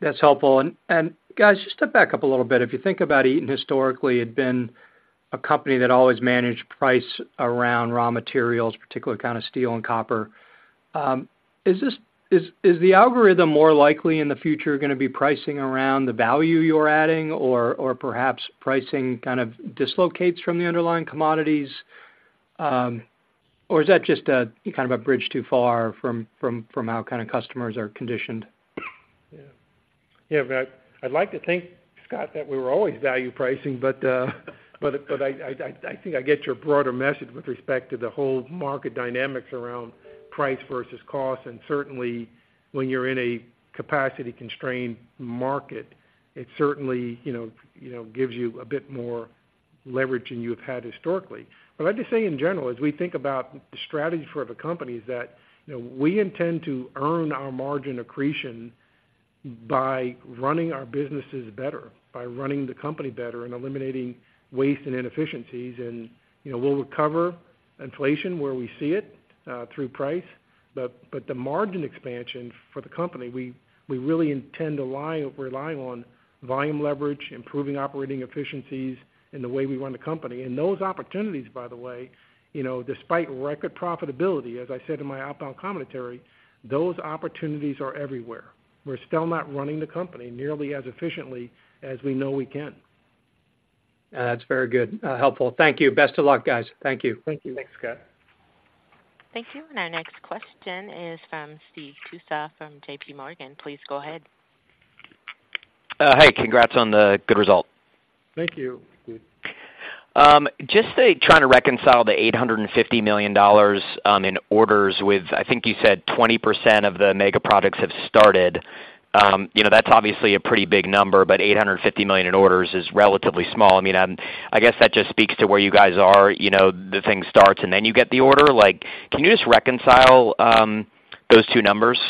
S9: That's helpful. And guys, just to back up a little bit, if you think about Eaton historically, had been a company that always managed price around raw materials, particularly kind of steel and copper. Is the algorithm more likely in the future going to be pricing around the value you're adding, or perhaps pricing kind of dislocates from the underlying commodities?... Or is that just a kind of a bridge too far from how kind of customers are conditioned?
S3: Yeah. Yeah, but I'd like to think, Scott, that we were always value pricing. But, but, but I think I get your broader message with respect to the whole market dynamics around price versus cost. And certainly, when you're in a capacity-constrained market, it certainly, you know, you know, gives you a bit more leverage than you've had historically. But I'd just say in general, as we think about the strategy for the company, is that, you know, we intend to earn our margin accretion by running our businesses better, by running the company better and eliminating waste and inefficiencies. And, you know, we'll recover inflation where we see it through price. But, but the margin expansion for the company, we, we really intend to rely on volume leverage, improving operating efficiencies in the way we run the company. Those opportunities, by the way, you know, despite record profitability, as I said in my outbound commentary, those opportunities are everywhere. We're still not running the company nearly as efficiently as we know we can.
S9: That's very good. Helpful. Thank you. Best of luck, guys. Thank you.
S3: Thank you. Thanks, Scott.
S1: Thank you. Our next question is from Steve Tusa from JP Morgan. Please go ahead.
S10: Hey, congrats on the good result.
S3: Thank you.
S10: Just, trying to reconcile the $850 million in orders with, I think you said 20% of the mega projects have started. You know, that's obviously a pretty big number, but $850 million in orders is relatively small. I mean, I guess that just speaks to where you guys are. You know, the thing starts, and then you get the order. Like, can you just reconcile those two numbers?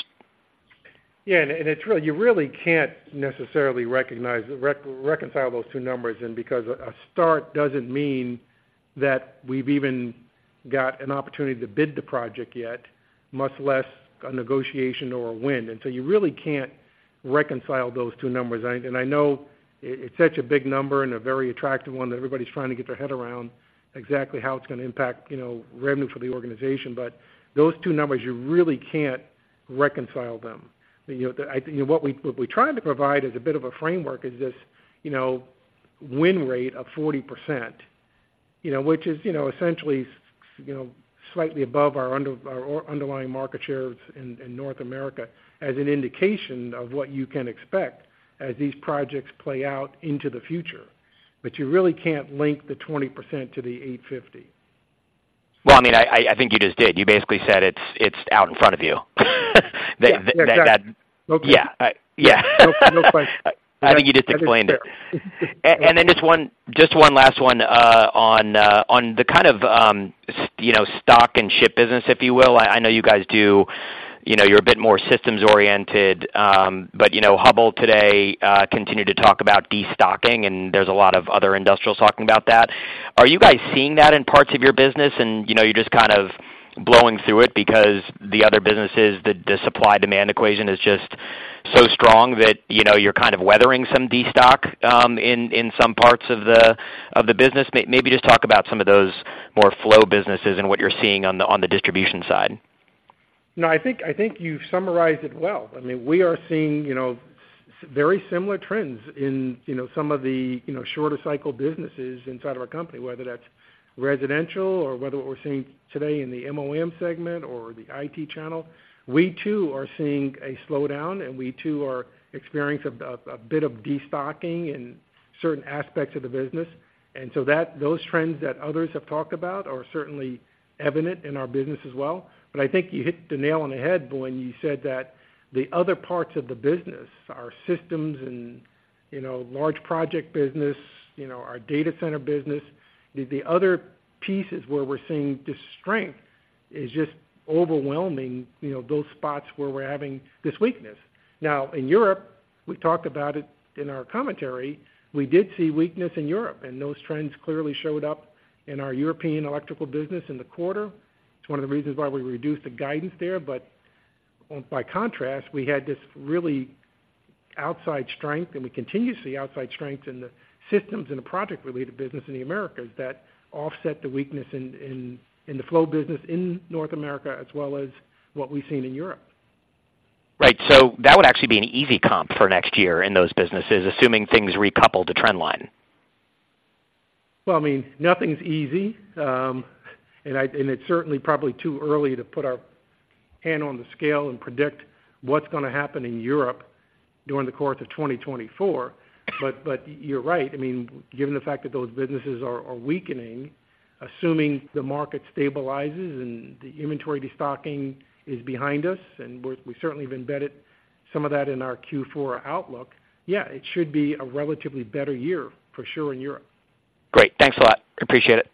S3: Yeah, and it. You really can't necessarily recognize, reconcile those two numbers, and because a start doesn't mean that we've even got an opportunity to bid the project yet, much less a negotiation or a win. And so you really can't reconcile those two numbers. And I know it, it's such a big number and a very attractive one that everybody's trying to get their head around exactly how it's gonna impact, you know, revenue for the organization. But those two numbers, you really can't reconcile them. You know, I, you know, what we, what we're trying to provide is a bit of a framework is this, you know, win rate of 40%, you know, which is, you know, essentially, you know, slightly above our underlying market share in North America, as an indication of what you can expect as these projects play out into the future. But you really can't link the 20% to the $850.
S10: Well, I mean, I think you just did. You basically said it's out in front of you. That-
S3: Yeah, exactly.
S10: That... Yeah.
S3: Okay.
S10: Yeah.
S3: No question.
S10: I think you just explained it. Then just one, just one last one, on the kind of, you know, stock and ship business, if you will. I know you guys do. You know, you're a bit more systems oriented, but, you know, Hubbell today continued to talk about destocking, and there's a lot of other industrials talking about that. Are you guys seeing that in parts of your business? You know, you're just kind of blowing through it because the other businesses, the supply-demand equation is just so strong that, you know, you're kind of weathering some destock in some parts of the business. Maybe just talk about some of those more flow businesses and what you're seeing on the distribution side.
S3: No, I think you've summarized it well. I mean, we are seeing, you know, very similar trends in, you know, some of the, you know, shorter cycle businesses inside of our company, whether that's residential or whether what we're seeing today in the MOEM segment or the IT channel. We, too, are seeing a slowdown, and we, too, are experiencing a bit of destocking in certain aspects of the business. And so that, those trends that others have talked about are certainly evident in our business as well. But I think you hit the nail on the head when you said that the other parts of the business, our systems and, you know, large project business, you know, our data center business, the, the other pieces where we're seeing the strength, is just overwhelming, you know, those spots where we're having this weakness. Now, in Europe, we talked about it in our commentary. We did see weakness in Europe, and those trends clearly showed up in our European electrical business in the quarter. It's one of the reasons why we reduced the guidance there. But by contrast, we had this really outside strength, and we continue to see outside strength in the systems and the project-related business in the Americas that offset the weakness in the flow business in North America, as well as what we've seen in Europe.
S10: Right. So that would actually be an easy comp for next year in those businesses, assuming things recoupled the trend line.
S3: Well, I mean, nothing's easy, and it's certainly probably too early to put our hand on the scale and predict what's gonna happen in Europe during the course of 2024. But you're right. I mean, given the fact that those businesses are weakening, assuming the market stabilizes and the inventory destocking is behind us, and we certainly have embedded some of that in our Q4 outlook, yeah, it should be a relatively better year for sure, in Europe.
S10: Great. Thanks a lot. Appreciate it.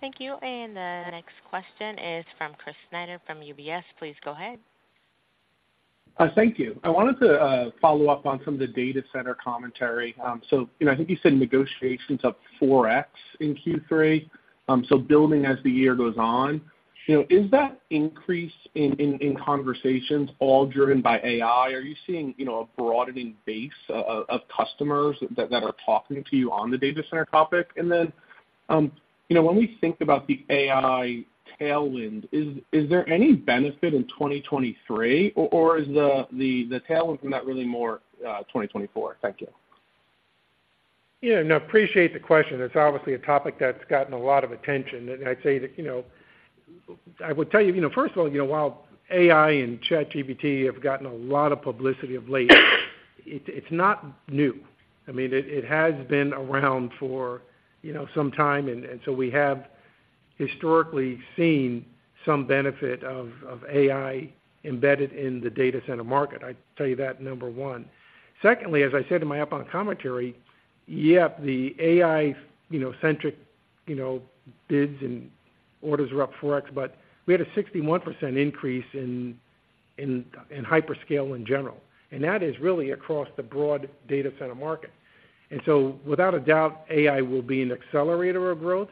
S1: Thank you. And the next question is from Chris Snyder from UBS. Please go ahead.
S11: Thank you. I wanted to follow up on some of the data center commentary. So, you know, I think you said negotiations up 4x in Q3, so building as the year goes on. You know, is that increase in conversations all driven by AI? Are you seeing, you know, a broadening base of customers that are talking to you on the data center topic? And then, you know, when we think about the AI tailwind, is there any benefit in 2023, or is the tailwind from that really more 2024? Thank you....
S3: Yeah, no, appreciate the question. It's obviously a topic that's gotten a lot of attention, and I'd say that, you know, I would tell you, you know, first of all, you know, while AI and ChatGPT have gotten a lot of publicity of late, it's not new. I mean, it has been around for, you know, some time, and so we have historically seen some benefit of AI embedded in the data center market. I'd tell you that, number one. Secondly, as I said in my outbound commentary, yep, the AI, you know, centric, you know, bids and orders are up 4x, but we had a 61% increase in hyperscale in general, and that is really across the broad data center market. And so without a doubt, AI will be an accelerator of growth,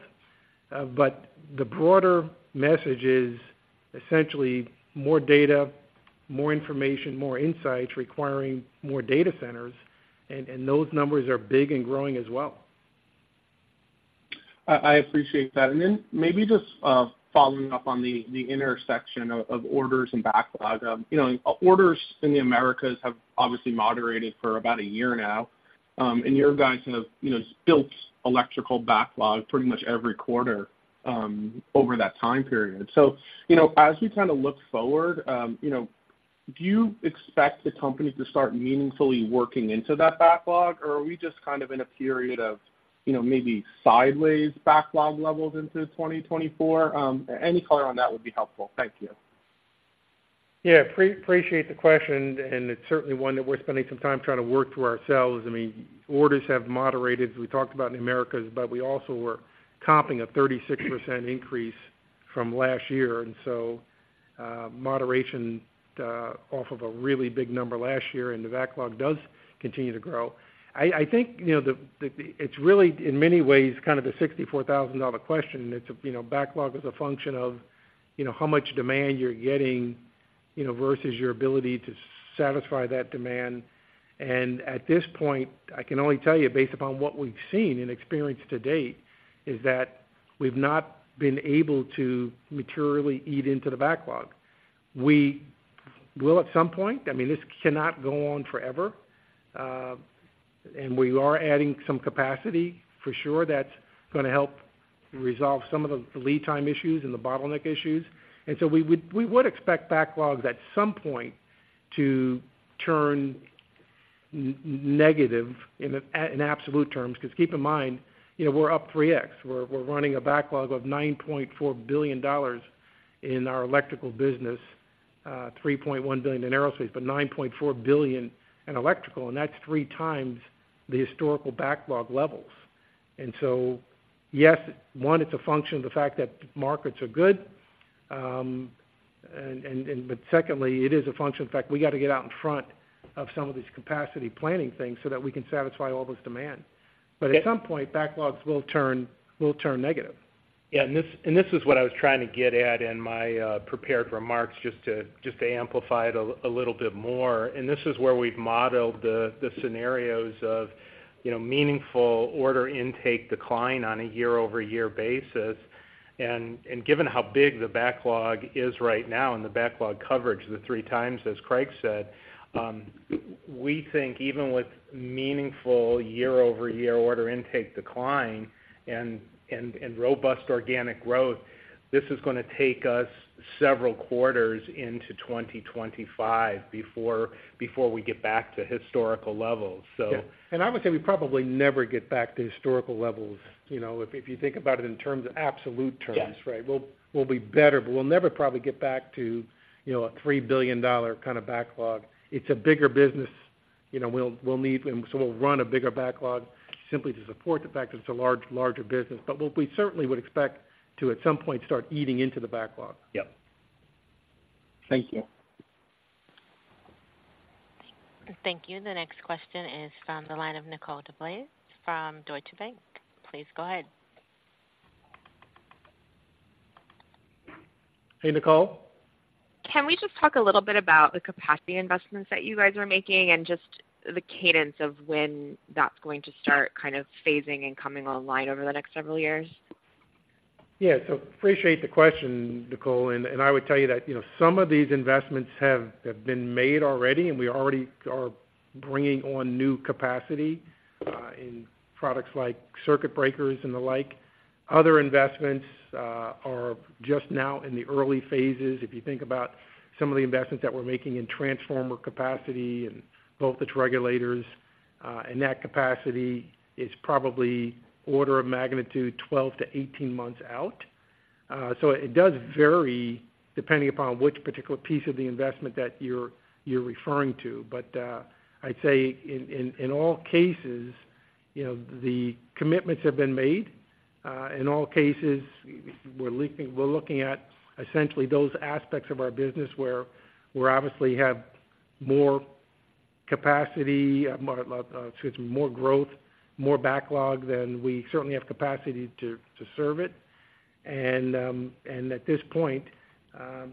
S3: but the broader message is essentially more data, more information, more insights, requiring more data centers, and those numbers are big and growing as well.
S11: I appreciate that. And then maybe just following up on the intersection of orders and backlog. You know, orders in the Americas have obviously moderated for about a year now. And you guys have, you know, built electrical backlog pretty much every quarter over that time period. So, you know, as we kind of look forward, you know, do you expect the company to start meaningfully working into that backlog, or are we just kind of in a period of, you know, maybe sideways backlog levels into 2024? Any color on that would be helpful. Thank you.
S3: Yeah, appreciate the question, and it's certainly one that we're spending some time trying to work through ourselves. I mean, orders have moderated, we talked about in the Americas, but we also were topping a 36% increase from last year. And so, moderation off of a really big number last year, and the backlog does continue to grow. I think, you know, it's really, in many ways, kind of a $64,000 question. It's, you know, backlog is a function of, you know, how much demand you're getting, you know, versus your ability to satisfy that demand. And at this point, I can only tell you based upon what we've seen and experienced to date, is that we've not been able to materially eat into the backlog. We will at some point, I mean, this cannot go on forever, and we are adding some capacity for sure. That's gonna help resolve some of the lead time issues and the bottleneck issues. And so we would, we would expect backlogs at some point to turn negative in absolute terms, because keep in mind, you know, we're up 3x. We're, we're running a backlog of $9.4 billion in our electrical business, $3.1 billion in aerospace, but $9.4 billion in electrical, and that's three times the historical backlog levels. And so, yes, one, it's a function of the fact that markets are good. But secondly, it is a function of fact, we got to get out in front of some of these capacity planning things so that we can satisfy all this demand.
S11: Yeah-
S3: At some point, backlogs will turn negative.
S4: Yeah, and this, and this is what I was trying to get at in my prepared remarks, just to, just to amplify it a little bit more. And this is where we've modeled the scenarios of, you know, meaningful order intake decline on a year-over-year basis. And given how big the backlog is right now and the backlog coverage, the three times, as Craig said, we think even with meaningful year-over-year order intake decline and robust organic growth, this is gonna take us several quarters into 2025 before we get back to historical levels, so.
S3: Yeah. And I would say we probably never get back to historical levels, you know, if you think about it in terms of absolute terms.
S4: Yeah.
S3: Right? We'll, we'll be better, but we'll never probably get back to, you know, a $3 billion kind of backlog. It's a bigger business, you know, we'll, we'll need... And so we'll run a bigger backlog simply to support the fact that it's a larger business. But we'll- we certainly would expect to, at some point, start eating into the backlog.
S4: Yep. Thank you.
S1: Thank you. The next question is from the line of Nicole DeBlase from Deutsche Bank. Please go ahead.
S3: Hey, Nicole.
S12: Can we just talk a little bit about the capacity investments that you guys are making and just the cadence of when that's going to start kind of phasing and coming online over the next several years?
S3: Yeah. So appreciate the question, Nicole, and I would tell you that, you know, some of these investments have been made already, and we already are bringing on new capacity in products like circuit breakers and the like. Other investments are just now in the early phases. If you think about some of the investments that we're making in transformer capacity and voltage regulators, and that capacity is probably order of magnitude 12-18 months out. So it does vary depending upon which particular piece of the investment that you're referring to. But, I'd say in all cases, you know, the commitments have been made, in all cases, we're looking at essentially those aspects of our business where we obviously have more capacity, excuse me, more growth, more backlog than we certainly have capacity to serve it. And at this point,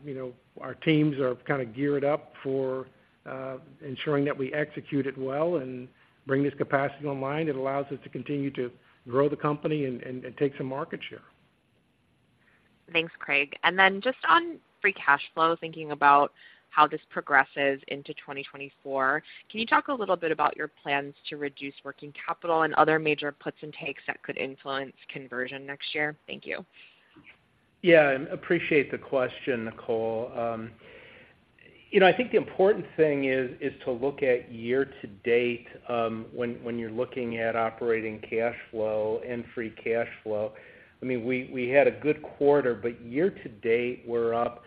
S3: you know, our teams are kind of geared up for ensuring that we execute it well and bring this capacity online. It allows us to continue to grow the company and take some market share....
S12: Thanks, Craig. And then just on free cash flow, thinking about how this progresses into 2024, can you talk a little bit about your plans to reduce working capital and other major puts and takes that could influence conversion next year? Thank you.
S4: Yeah, appreciate the question, Nicole. You know, I think the important thing is to look at year to date, when you're looking at operating cash flow and free cash flow. I mean, we had a good quarter, but year to date, we're up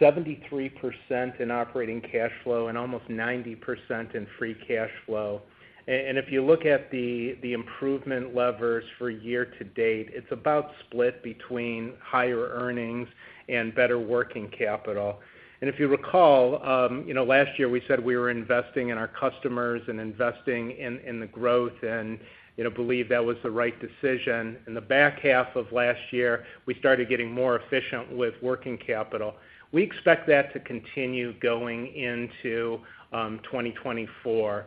S4: 73% in operating cash flow and almost 90% in free cash flow. And if you look at the improvement levers for year to date, it's about split between higher earnings and better working capital. And if you recall, you know, last year, we said we were investing in our customers and investing in the growth, and, you know, believe that was the right decision. In the back half of last year, we started getting more efficient with working capital. We expect that to continue going into 2024.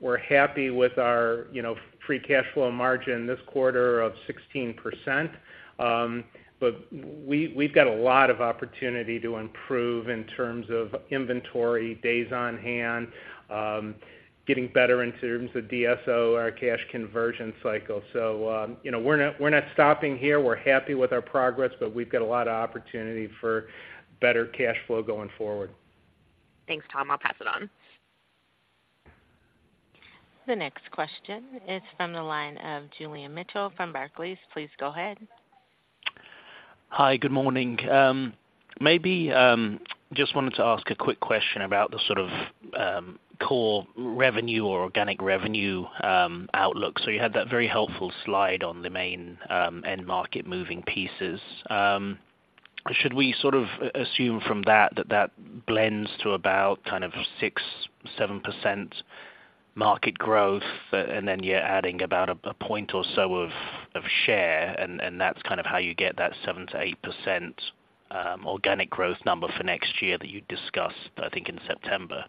S4: We're happy with our, you know, free cash flow margin this quarter of 16%, but we've got a lot of opportunity to improve in terms of inventory, days on hand, getting better in terms of DSO, our cash conversion cycle. So, you know, we're not stopping here. We're happy with our progress, but we've got a lot of opportunity for better cash flow going forward.
S12: Thanks, Tom. I'll pass it on.
S1: The next question is from the line of Julian Mitchell from Barclays. Please go ahead.
S13: Hi, good morning. Maybe just wanted to ask a quick question about the sort of core revenue or organic revenue outlook. So you had that very helpful slide on the main end market moving pieces. Should we sort of assume from that that blends to about kind of 6%-7% market growth, and then you're adding about a point or so of share, and that's kind of how you get that 7%-8% organic growth number for next year that you discussed, I think, in September?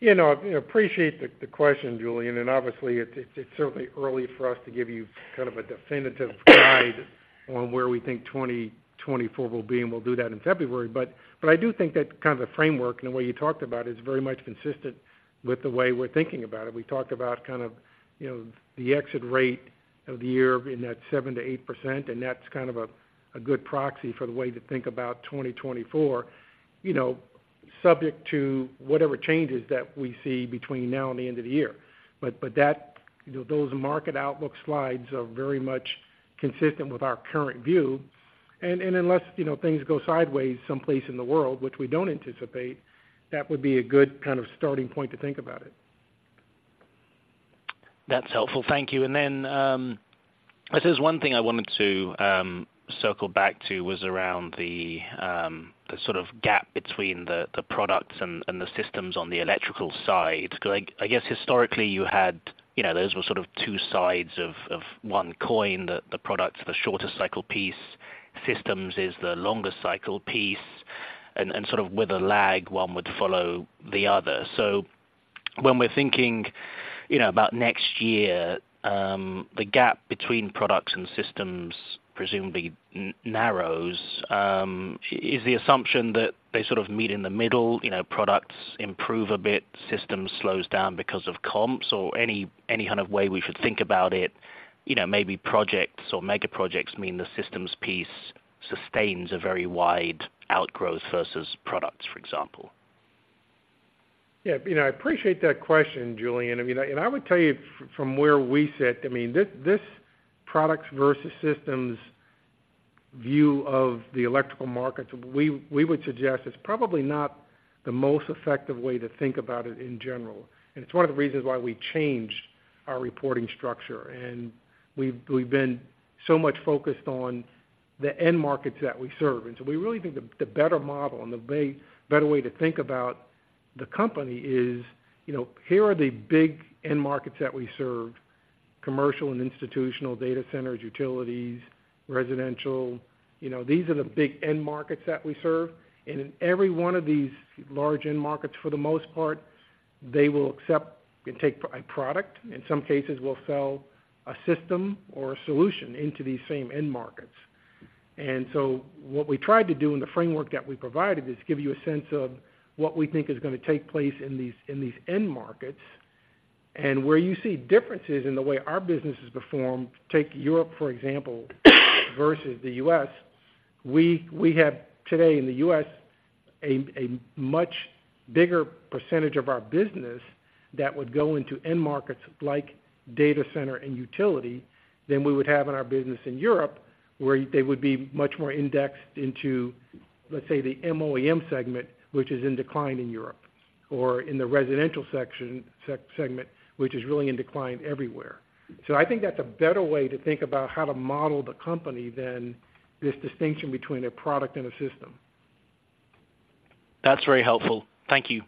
S3: You know, I appreciate the question, Julian, and obviously, it's certainly early for us to give you kind of a definitive guide on where we think 2024 will be, and we'll do that in February. But I do think that kind of the framework and the way you talked about it is very much consistent with the way we're thinking about it. We talked about kind of, you know, the exit rate of the year in that 7%-8%, and that's kind of a good proxy for the way to think about 2024, you know, subject to whatever changes that we see between now and the end of the year. But that, you know, those market outlook slides are very much consistent with our current view. Unless, you know, things go sideways someplace in the world, which we don't anticipate, that would be a good kind of starting point to think about it.
S13: That's helpful. Thank you. And then, I guess one thing I wanted to circle back to was around the sort of gap between the products and the systems on the electrical side. Like, I guess historically, you had, you know, those were sort of two sides of one coin, that the products, the shorter cycle piece, systems is the longer cycle piece, and sort of with a lag, one would follow the other. So when we're thinking, you know, about next year, the gap between products and systems presumably narrows. Is the assumption that they sort of meet in the middle, you know, products improve a bit, systems slows down because of comps, or any, any kind of way we should think about it, you know, maybe projects or mega projects mean the systems piece sustains a very wide outgrowth versus products, for example?
S3: Yeah, you know, I appreciate that question, Julian. I mean, and I would tell you from where we sit, I mean, this, this products versus systems view of the electrical markets, we, we would suggest it's probably not the most effective way to think about it in general. And it's one of the reasons why we changed our reporting structure, and we've, we've been so much focused on the end markets that we serve. And so we really think the, the better model and the better way to think about the company is, you know, here are the big end markets that we serve, commercial and institutional, data centers, utilities, residential. You know, these are the big end markets that we serve. And in every one of these large end markets, for the most part, they will accept and take a product. In some cases, we'll sell a system or a solution into these same end markets. So what we tried to do in the framework that we provided is give you a sense of what we think is gonna take place in these, in these end markets. Where you see differences in the way our businesses perform, take Europe, for example, versus the U.S., we have today in the U.S. a much bigger percentage of our business that would go into end markets like data center and utility than we would have in our business in Europe, where they would be much more indexed into, let's say, the MOEM segment, which is in decline in Europe, or in the residential segment, which is really in decline everywhere. I think that's a better way to think about how to model the company than this distinction between a product and a system.
S13: That's very helpful. Thank you.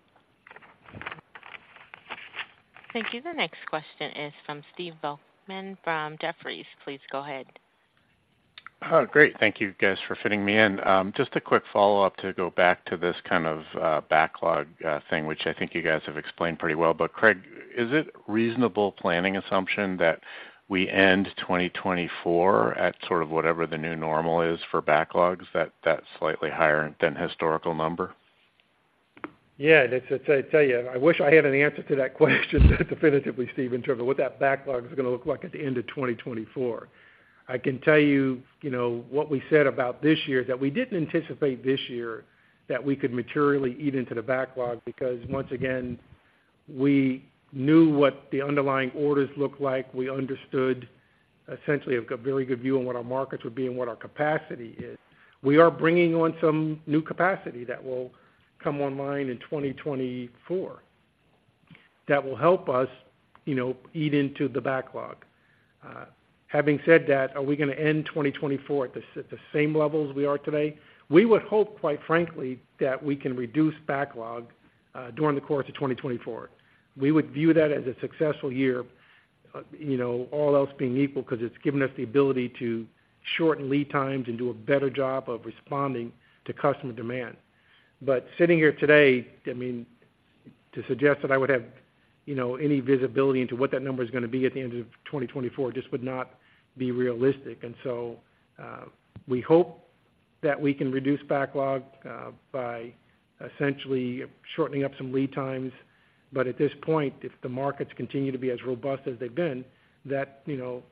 S1: Thank you. The next question is from Steve Volkmann from Jefferies. Please go ahead.
S14: Oh, great. Thank you guys for fitting me in. Just a quick follow-up to go back to this kind of, backlog, thing, which I think you guys have explained pretty well. But Craig, is it reasonable planning assumption that we end 2024 at sort of whatever the new normal is for backlogs, that, that slightly higher than historical number?...
S3: Yeah, it's, it's, I tell you, I wish I had an answer to that question definitively, Steven, in terms of what that backlog is gonna look like at the end of 2024. I can tell you, you know, what we said about this year, that we didn't anticipate this year that we could materially eat into the backlog, because once again, we knew what the underlying orders looked like. We understood, essentially, very good view on what our markets would be and what our capacity is. We are bringing on some new capacity that will come online in 2024, that will help us, you know, eat into the backlog. Having said that, are we gonna end 2024 at the same level as we are today? We would hope, quite frankly, that we can reduce backlog during the course of 2024. We would view that as a successful year, you know, all else being equal, 'cause it's given us the ability to shorten lead times and do a better job of responding to customer demand. But sitting here today, I mean, to suggest that I would have, you know, any visibility into what that number is gonna be at the end of 2024, just would not be realistic. And so, we hope that we can reduce backlog by essentially shortening up some lead times. But at this point, if the markets continue to be as robust as they've been, that, you know,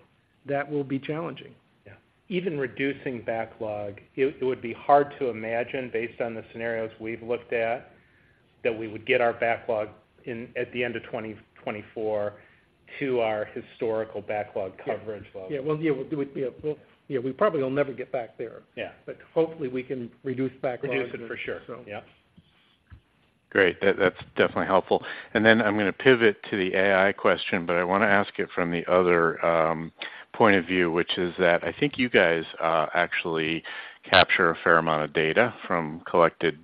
S3: that will be challenging.
S4: Yeah. Even reducing backlog, it would be hard to imagine, based on the scenarios we've looked at, that we would get our backlog in at the end of 2024 to our historical backlog coverage level.
S3: Well, we probably will never get back there.
S4: Yeah.
S3: Hopefully, we can reduce backlog.
S4: Reduce it, for sure.
S3: So.
S4: Yeah.
S14: Great, that, that's definitely helpful. And then I'm gonna pivot to the AI question, but I wanna ask it from the other point of view, which is that I think you guys actually capture a fair amount of data from collected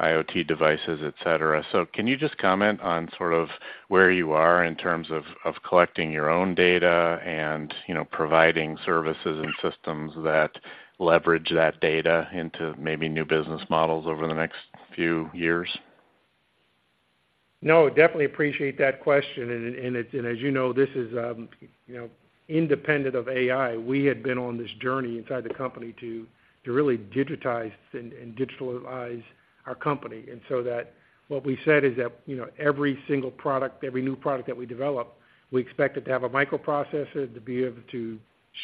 S14: IoT devices, et cetera. So can you just comment on sort of where you are in terms of collecting your own data and, you know, providing services and systems that leverage that data into maybe new business models over the next few years?
S3: No, definitely appreciate that question, and as you know, this is, you know, independent of AI. We had been on this journey inside the company to really digitize and digitalize our company. And so, what we said is that, you know, every single product, every new product that we develop, we expect it to have a microprocessor, to be able to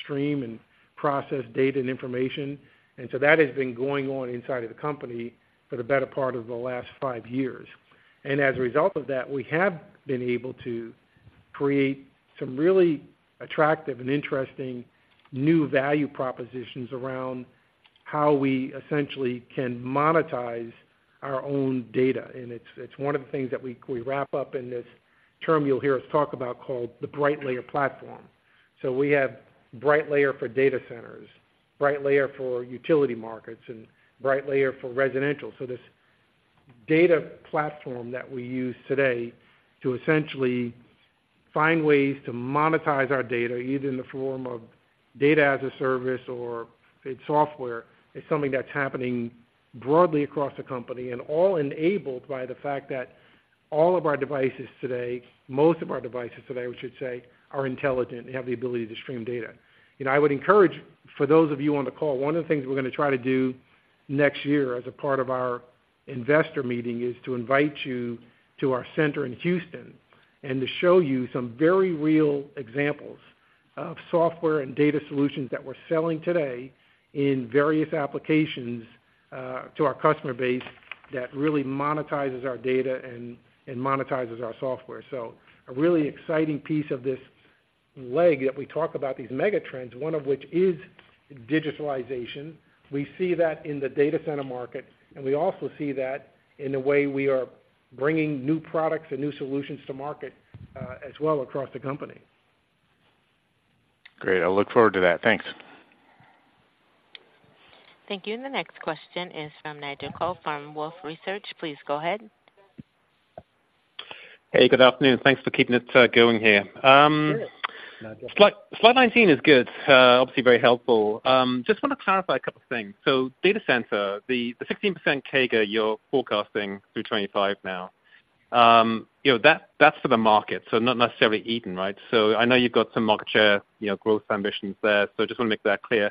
S3: stream and process data and information. And so that has been going on inside of the company for the better part of the last five years. And as a result of that, we have been able to create some really attractive and interesting new value propositions around how we essentially can monetize our own data. And it's one of the things that we wrap up in this term you'll hear us talk about called the Brightlayer platform. So we have Brightlayer for data centers, Brightlayer for utility markets, and Brightlayer for residential. So this data platform that we use today to essentially find ways to monetize our data, either in the form of data as a service or its software, is something that's happening broadly across the company and all enabled by the fact that all of our devices today, most of our devices today, I should say, are intelligent, they have the ability to stream data. You know, I would encourage, for those of you on the call, one of the things we're gonna try to do next year as a part of our investor meeting, is to invite you to our center in Houston, and to show you some very real examples of software and data solutions that we're selling today in various applications to our customer base, that really monetizes our data and monetizes our software. So a really exciting piece of this leg that we talk about, these mega trends, one of which is digitalization. We see that in the data center market, and we also see that in the way we are bringing new products and new solutions to market, as well across the company.
S14: Great. I look forward to that. Thanks.
S1: Thank you. And the next question is from Nigel Coe from Wolfe Research. Please go ahead.
S15: Hey, good afternoon. Thanks for keeping it going here.
S3: Sure, Nigel.
S15: Slide nineteen is good, obviously very helpful. Just wanna clarify a couple of things. So data center, the 16% CAGR you're forecasting through 2025 now, you know, that's for the market, so not necessarily Eaton, right? So I know you've got some market share, you know, growth ambitions there, so just wanna make that clear.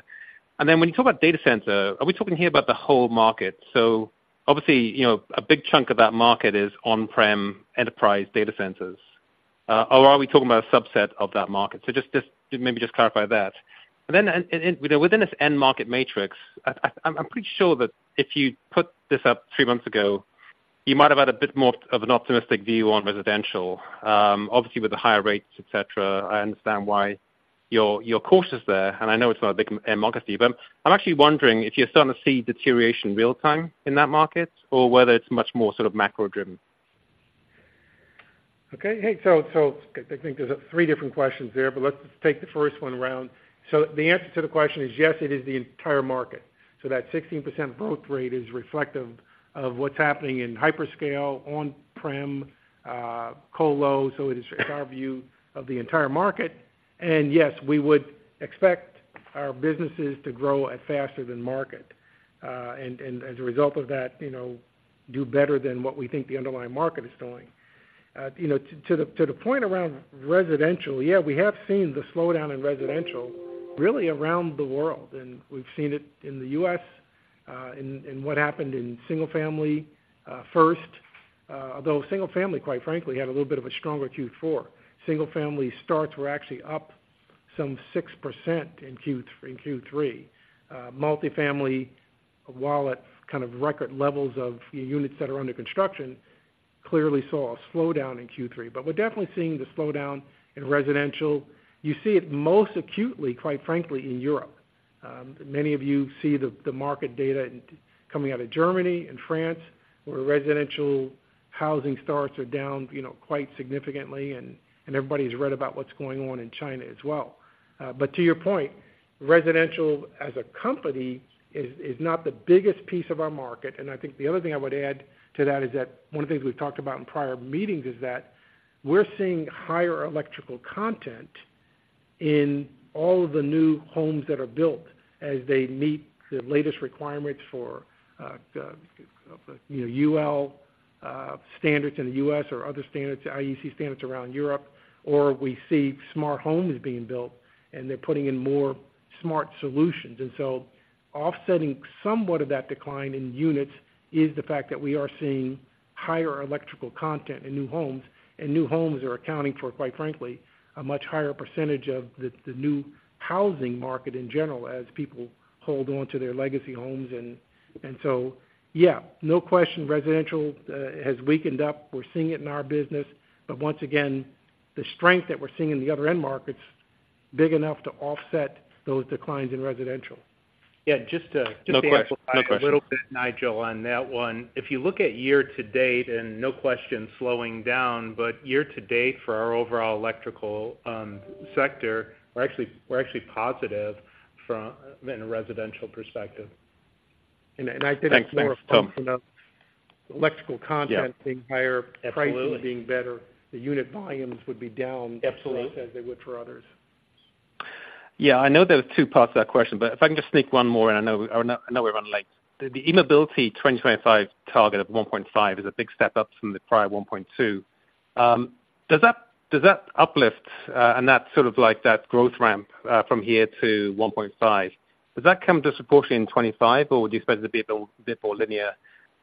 S15: And then when you talk about data center, are we talking here about the whole market? So obviously, you know, a big chunk of that market is on-prem enterprise data centers. Or are we talking about a subset of that market? So just maybe clarify that. And then within this end market matrix, I'm pretty sure that if you put this up three months ago, you might have had a bit more of an optimistic view on residential. Obviously, with the higher rates, et cetera, I understand why your course is there, and I know it's not a big market for you. But I'm actually wondering if you're starting to see deterioration in real time in that market, or whether it's much more sort of macro driven.
S3: Okay. Hey, so I think there's three different questions there, but let's take the first one around. So the answer to the question is yes, it is the entire market. So that 16% growth rate is reflective of what's happening in hyperscale, on-prem, colo, so it is our view of the entire market. And yes, we would expect our businesses to grow at faster than market, and as a result of that, you know, do better than what we think the underlying market is doing. You know, to the point around residential, yeah, we have seen the slowdown in residential really around the world, and we've seen it in the US, in what happened in single family, first. Although single family, quite frankly, had a little bit of a stronger Q4. Single family starts were actually up some 6% in Q3, in Q3. Multifamily, while at kind of record levels of units that are under construction, clearly saw a slowdown in Q3. But we're definitely seeing the slowdown in residential. You see it most acutely, quite frankly, in Europe. Many of you see the market data coming out of Germany and France, where residential housing starts are down, you know, quite significantly, and everybody's read about what's going on in China as well. But to your point, residential as a company is not the biggest piece of our market. I think the other thing I would add to that is that one of the things we've talked about in prior meetings is that we're seeing higher electrical content in all of the new homes that are built as they meet the latest requirements for, you know, UL standards in the U.S. or other standards, IEC standards around Europe, or we see smart homes being built, and they're putting in more smart solutions. So offsetting somewhat of that decline in units is the fact that we are seeing higher electrical content in new homes, and new homes are accounting for, quite frankly, a much higher percentage of the new housing market in general, as people hold onto their legacy homes. So, yeah, no question, residential has weakened up. We're seeing it in our business. But once again, the strength that we're seeing in the other end markets, big enough to offset those declines in residential.
S4: Yeah, just to-
S15: No question. No question.
S4: A little bit, Nigel, on that one. If you look at year to date, and no question slowing down, but year to date for our overall electrical sector, we're actually, we're actually positive from in a residential perspective.
S3: I think-
S15: Thanks. Thanks, Tom.
S3: Electrical content-
S15: Yeah.
S3: -being higher-
S15: Absolutely
S3: pricing being better, the unit volumes would be down.
S15: Absolutely
S3: as they would for others.
S15: Yeah, I know there are two parts to that question, but if I can just sneak one more in, I know, I know we're running late. The mobility 2025 target of $1.5 is a big step up from the prior $1.2. Does that uplift, and that's sort of like that growth ramp from here to $1.5? Does that come disproportionately in 2025, or would you expect it to be a bit more linear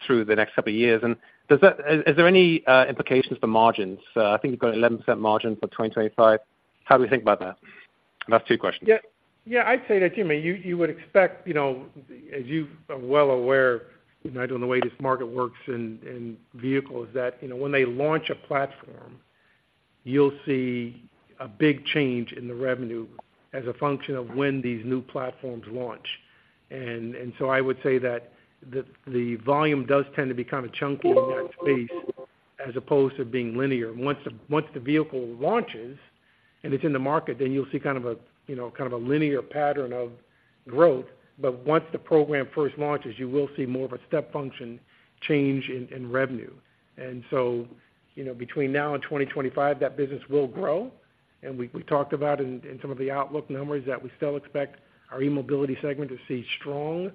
S15: through the next couple of years? And does that... Is there any implications for margins? I think you've got 11% margin for 2025. How do we think about that? And that's two questions.
S3: Yeah. Yeah, I'd say that, Nigel, you would expect, you know, as you are well aware, Nigel, the way this market works in vehicles, that, you know, when they launch a platform, you'll see a big change in the revenue as a function of when these new platforms launch. And so I would say that the volume does tend to be kind of chunky in that space as opposed to being linear. Once the vehicle launches and it's in the market, then you'll see kind of a, you know, kind of a linear pattern of growth. But once the program first launches, you will see more of a step function change in revenue. And so, you know, between now and 2025, that business will grow. And we talked about in some of the outlook numbers that we still expect our eMobility segment to see strong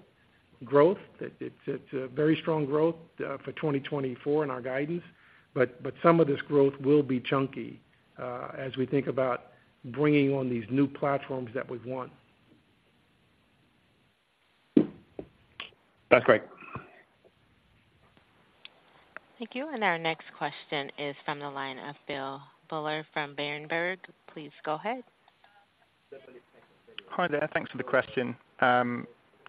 S3: growth. It's a very strong growth for 2024 in our guidance. But some of this growth will be chunky as we think about bringing on these new platforms that we've won.
S15: That's great.
S1: Thank you. Our next question is from the line of Phil Buller from Berenberg. Please go ahead.
S16: Hi there. Thanks for the question.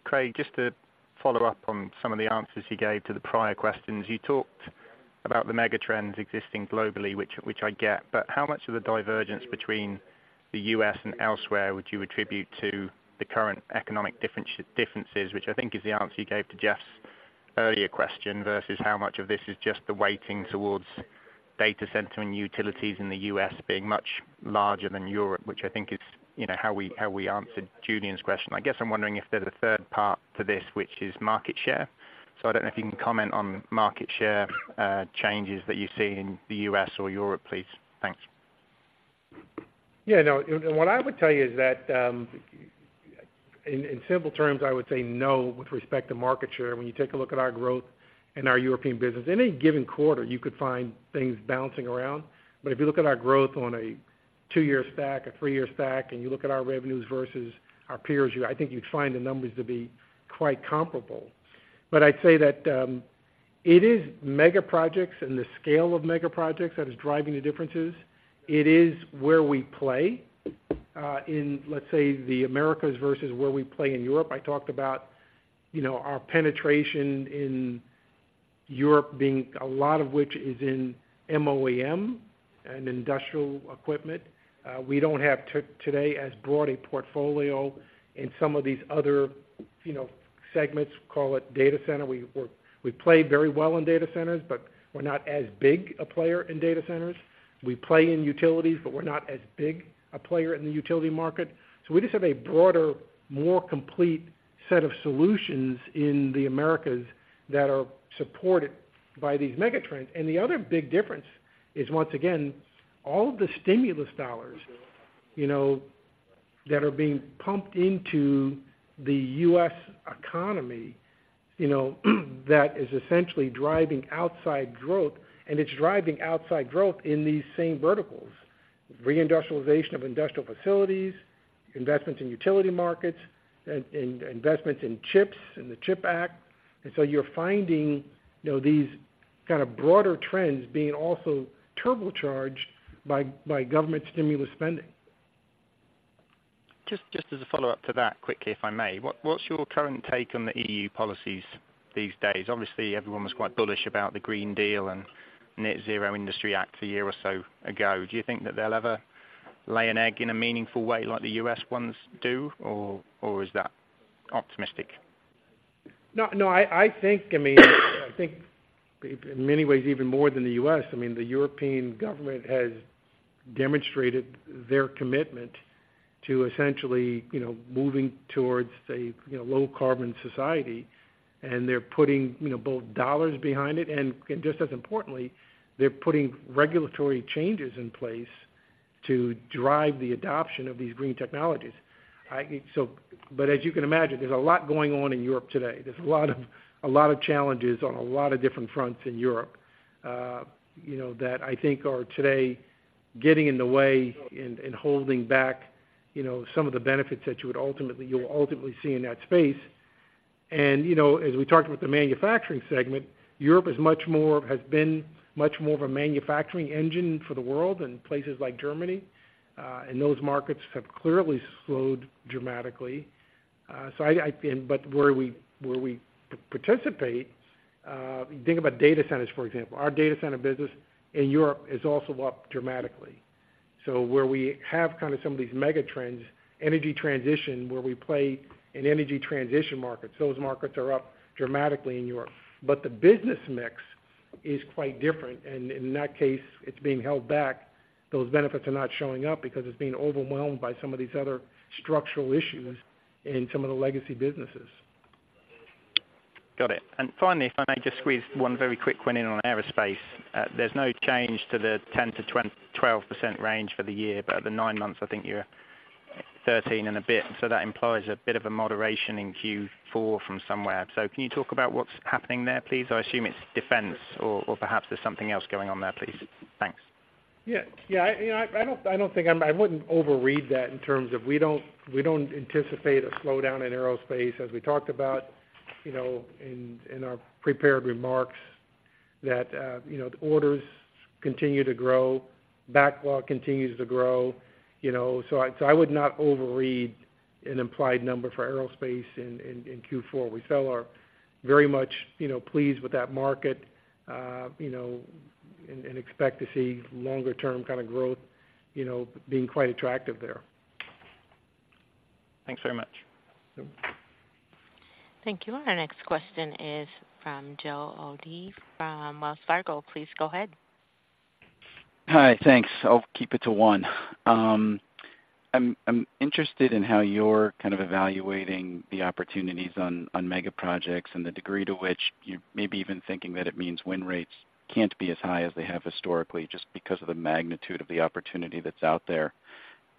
S16: Craig, just to follow up on some of the answers you gave to the prior questions. You talked about the mega trends existing globally, which I get, but how much of the divergence between the U.S. and elsewhere would you attribute to the current economic differences, which I think is the answer you gave to Jeff's earlier question, versus how much of this is just the weighting towards data center and utilities in the U.S. being much larger than Europe, which I think is, you know, how we answered Julian's question. I guess I'm wondering if there's a third part to this, which is market share. So I don't know if you can comment on market share changes that you see in the U.S. or Europe, please. Thanks.
S3: Yeah, no, and what I would tell you is that, in simple terms, I would say no, with respect to market share. When you take a look at our growth in our European business, any given quarter, you could find things bouncing around. But if you look at our growth on a two-year stack, a three-year stack, and you look at our revenues versus our peers, you, I think you'd find the numbers to be quite comparable. But I'd say that, it is mega projects and the scale of mega projects that is driving the differences. It is where we play, in, let's say, the Americas, versus where we play in Europe. I talked about, you know, our penetration in Europe being a lot of which is in MOEM and industrial equipment. We don't have today as broad a portfolio in some of these other, you know, segments, call it data center. We play very well in data centers, but we're not as big a player in data centers. We play in utilities, but we're not as big a player in the utility market. So we just have a broader, more complete set of solutions in the Americas that are supported by these mega trends. And the other big difference is, once again, all the stimulus dollars, you know, that are being pumped into the U.S. economy, you know, that is essentially driving outside growth, and it's driving outside growth in these same verticals. Reindustrialization of industrial facilities, investments in utility markets, and investments in chips, in the CHIPS Act. And so you're finding, you know, these kind of broader trends being also turbocharged by, by government stimulus spending.
S16: Just as a follow-up to that quickly, if I may. What's your current take on the EU policies these days? Obviously, everyone was quite bullish about the Green Deal and Net-Zero Industry Act a year or so ago. Do you think that they'll ever lay an egg in a meaningful way, like the US ones do, or is that optimistic?
S3: No, no, I think, I mean, I think in many ways, even more than the U.S., I mean, the European government has demonstrated their commitment to essentially, you know, moving towards a, you know, low-carbon society, and they're putting, you know, both dollars behind it, and just as importantly, they're putting regulatory changes in place to drive the adoption of these green technologies. But as you can imagine, there's a lot going on in Europe today. There's a lot of challenges on a lot of different fronts in Europe, you know, that I think are today getting in the way and holding back, you know, some of the benefits that you would ultimately—you'll ultimately see in that space. You know, as we talked about the manufacturing segment, Europe is much more, has been much more of a manufacturing engine for the world in places like Germany, and those markets have clearly slowed dramatically. So, but where we participate, you think about data centers, for example. Our data center business in Europe is also up dramatically. So where we have kind of some of these mega trends, energy transition, where we play in energy transition markets, those markets are up dramatically in Europe. But the business mix is quite different, and in that case, it's being held back. Those benefits are not showing up because it's being overwhelmed by some of these other structural issues in some of the legacy businesses.
S16: Got it. And finally, if I may just squeeze one very quick one in on aerospace. There's no change to the 10%-12% range for the year, but the nine months, I think you're 13% and a bit, so that implies a bit of a moderation in Q4 from somewhere. So can you talk about what's happening there, please? I assume it's defense or, or perhaps there's something else going on there, please. Thanks.
S4: Yeah. Yeah, you know, I don't think I wouldn't overread that in terms of we don't anticipate a slowdown in aerospace as we talked about, you know, in our prepared remarks, that you know, the orders continue to grow, backlog continues to grow, you know, so I would not overread an implied number for aerospace in Q4. We still are very much, you know, pleased with that market, you know, and expect to see longer-term kind of growth, you know, being quite attractive there.
S16: Thanks very much.
S3: Sure.
S1: Thank you. Our next question is from Joe O'Dea from Wells Fargo. Please go ahead.
S17: Hi, thanks. I'll keep it to one. I'm interested in how you're kind of evaluating the opportunities on, on mega projects and the degree to which you may be even thinking that it means win rates can't be as high as they have historically, just because of the magnitude of the opportunity that's out there.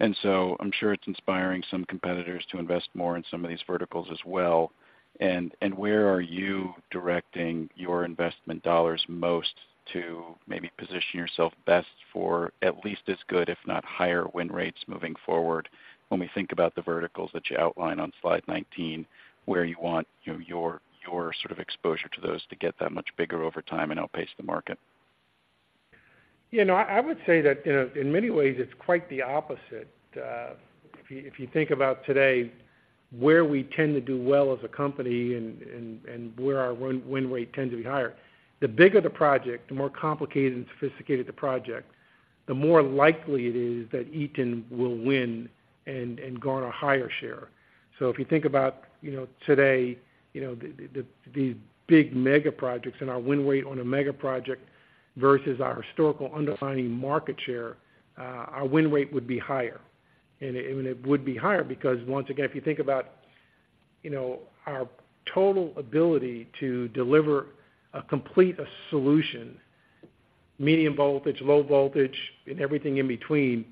S17: And so I'm sure it's inspiring some competitors to invest more in some of these verticals as well. And, and where are you directing your investment dollars most to maybe position yourself best for at least as good, if not higher, win rates moving forward when we think about the verticals that you outline on slide 19, where you want, you know, your, your sort of exposure to those to get that much bigger over time and outpace the market?
S3: You know, I would say that, you know, in many ways it's quite the opposite. If you think about today, where we tend to do well as a company and where our win rate tends to be higher, the bigger the project, the more complicated and sophisticated the project, the more likely it is that Eaton will win and gain a higher share. So if you think about, you know, today, you know, the big mega projects and our win rate on a mega project versus our historical underlying market share, our win rate would be higher. It would be higher because once again, if you think about, you know, our total ability to deliver a complete solution, medium voltage, low voltage, and everything in between,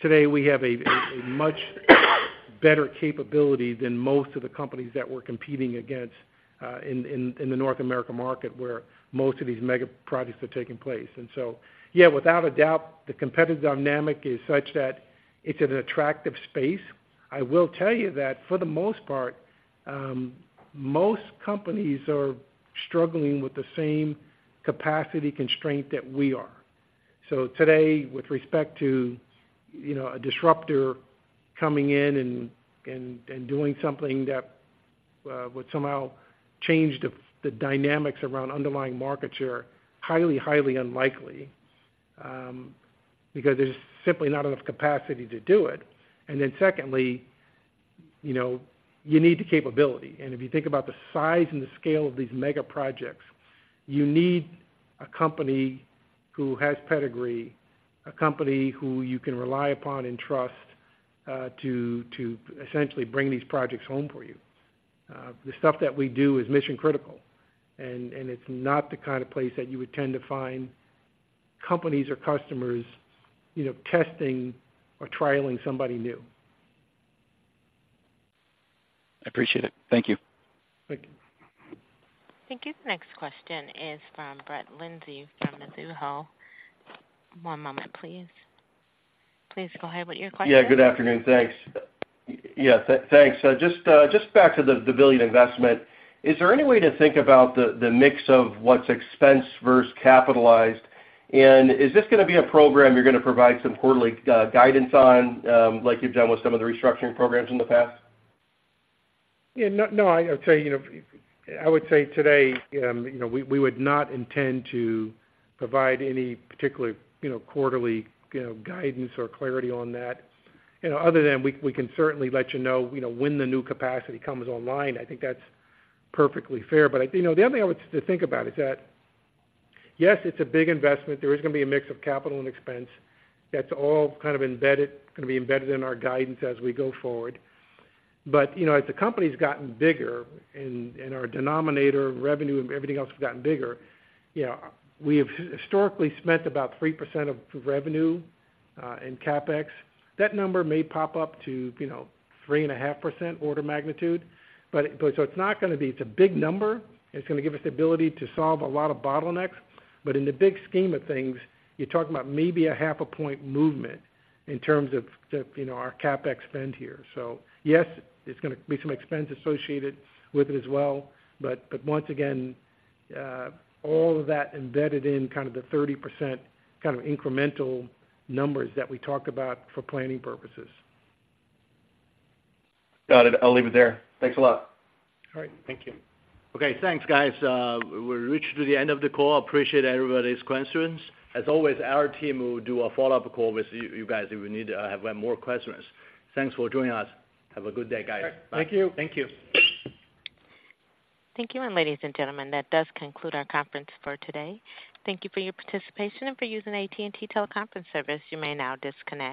S3: today we have a much better capability than most of the companies that we're competing against in the North America market, where most of these mega projects are taking place. And so, yeah, without a doubt, the competitive dynamic is such that it's an attractive space. I will tell you that, for the most part, most companies are struggling with the same capacity constraint that we are. So today, with respect to, you know, a disruptor coming in and doing something that would somehow change the dynamics around underlying market share, highly, highly unlikely, because there's simply not enough capacity to do it. Then secondly, you know, you need the capability, and if you think about the size and the scale of these mega projects, you need a company who has pedigree, a company who you can rely upon and trust to essentially bring these projects home for you. The stuff that we do is mission-critical, and it's not the kind of place that you would tend to find companies or customers, you know, testing or trialing somebody new.
S17: I appreciate it. Thank you.
S3: Thank you.
S1: Thank you. The next question is from Brett Linzey from Mizuho. One moment, please. Please go ahead with your question.
S18: Yeah, good afternoon. Thanks. Yeah, thanks. So just back to the $1 billion investment, is there any way to think about the mix of what's expense versus capitalized? And is this gonna be a program you're gonna provide some quarterly guidance on, like you've done with some of the restructuring programs in the past?
S3: Yeah. No, no, I would say, you know, I would say today, you know, we, we would not intend to provide any particular, you know, quarterly, you know, guidance or clarity on that. You know, other than we, we can certainly let you know, you know, when the new capacity comes online, I think that's perfectly fair. But, you know, the other thing I would to think about is that, yes, it's a big investment. There is gonna be a mix of capital and expense that's all kind of embedded, gonna be embedded in our guidance as we go forward. But, you know, as the company's gotten bigger and, and our denominator revenue and everything else has gotten bigger, you know, we have historically spent about 3% of revenue in CapEx. That number may pop up to, you know, 3.5% order magnitude, but, but so it's not gonna be. It's a big number, and it's gonna give us the ability to solve a lot of bottlenecks. But in the big scheme of things, you're talking about maybe a half a point movement in terms of, of, you know, our CapEx spend here. So yes, it's gonna be some expense associated with it as well, but, but once again, all of that embedded in kind of the 30% kind of incremental numbers that we talk about for planning purposes.
S18: Got it. I'll leave it there. Thanks a lot.
S3: All right, thank you.
S2: Okay, thanks, guys. We've reached to the end of the call. Appreciate everybody's questions. As always, our team will do a follow-up call with you, you guys, if you need, have more questions. Thanks for joining us. Have a good day, guys.
S3: Thank you.
S4: Thank you.
S1: Thank you, and ladies and gentlemen, that does conclude our conference for today. Thank you for your participation and for using AT&T Teleconference Service. You may now disconnect.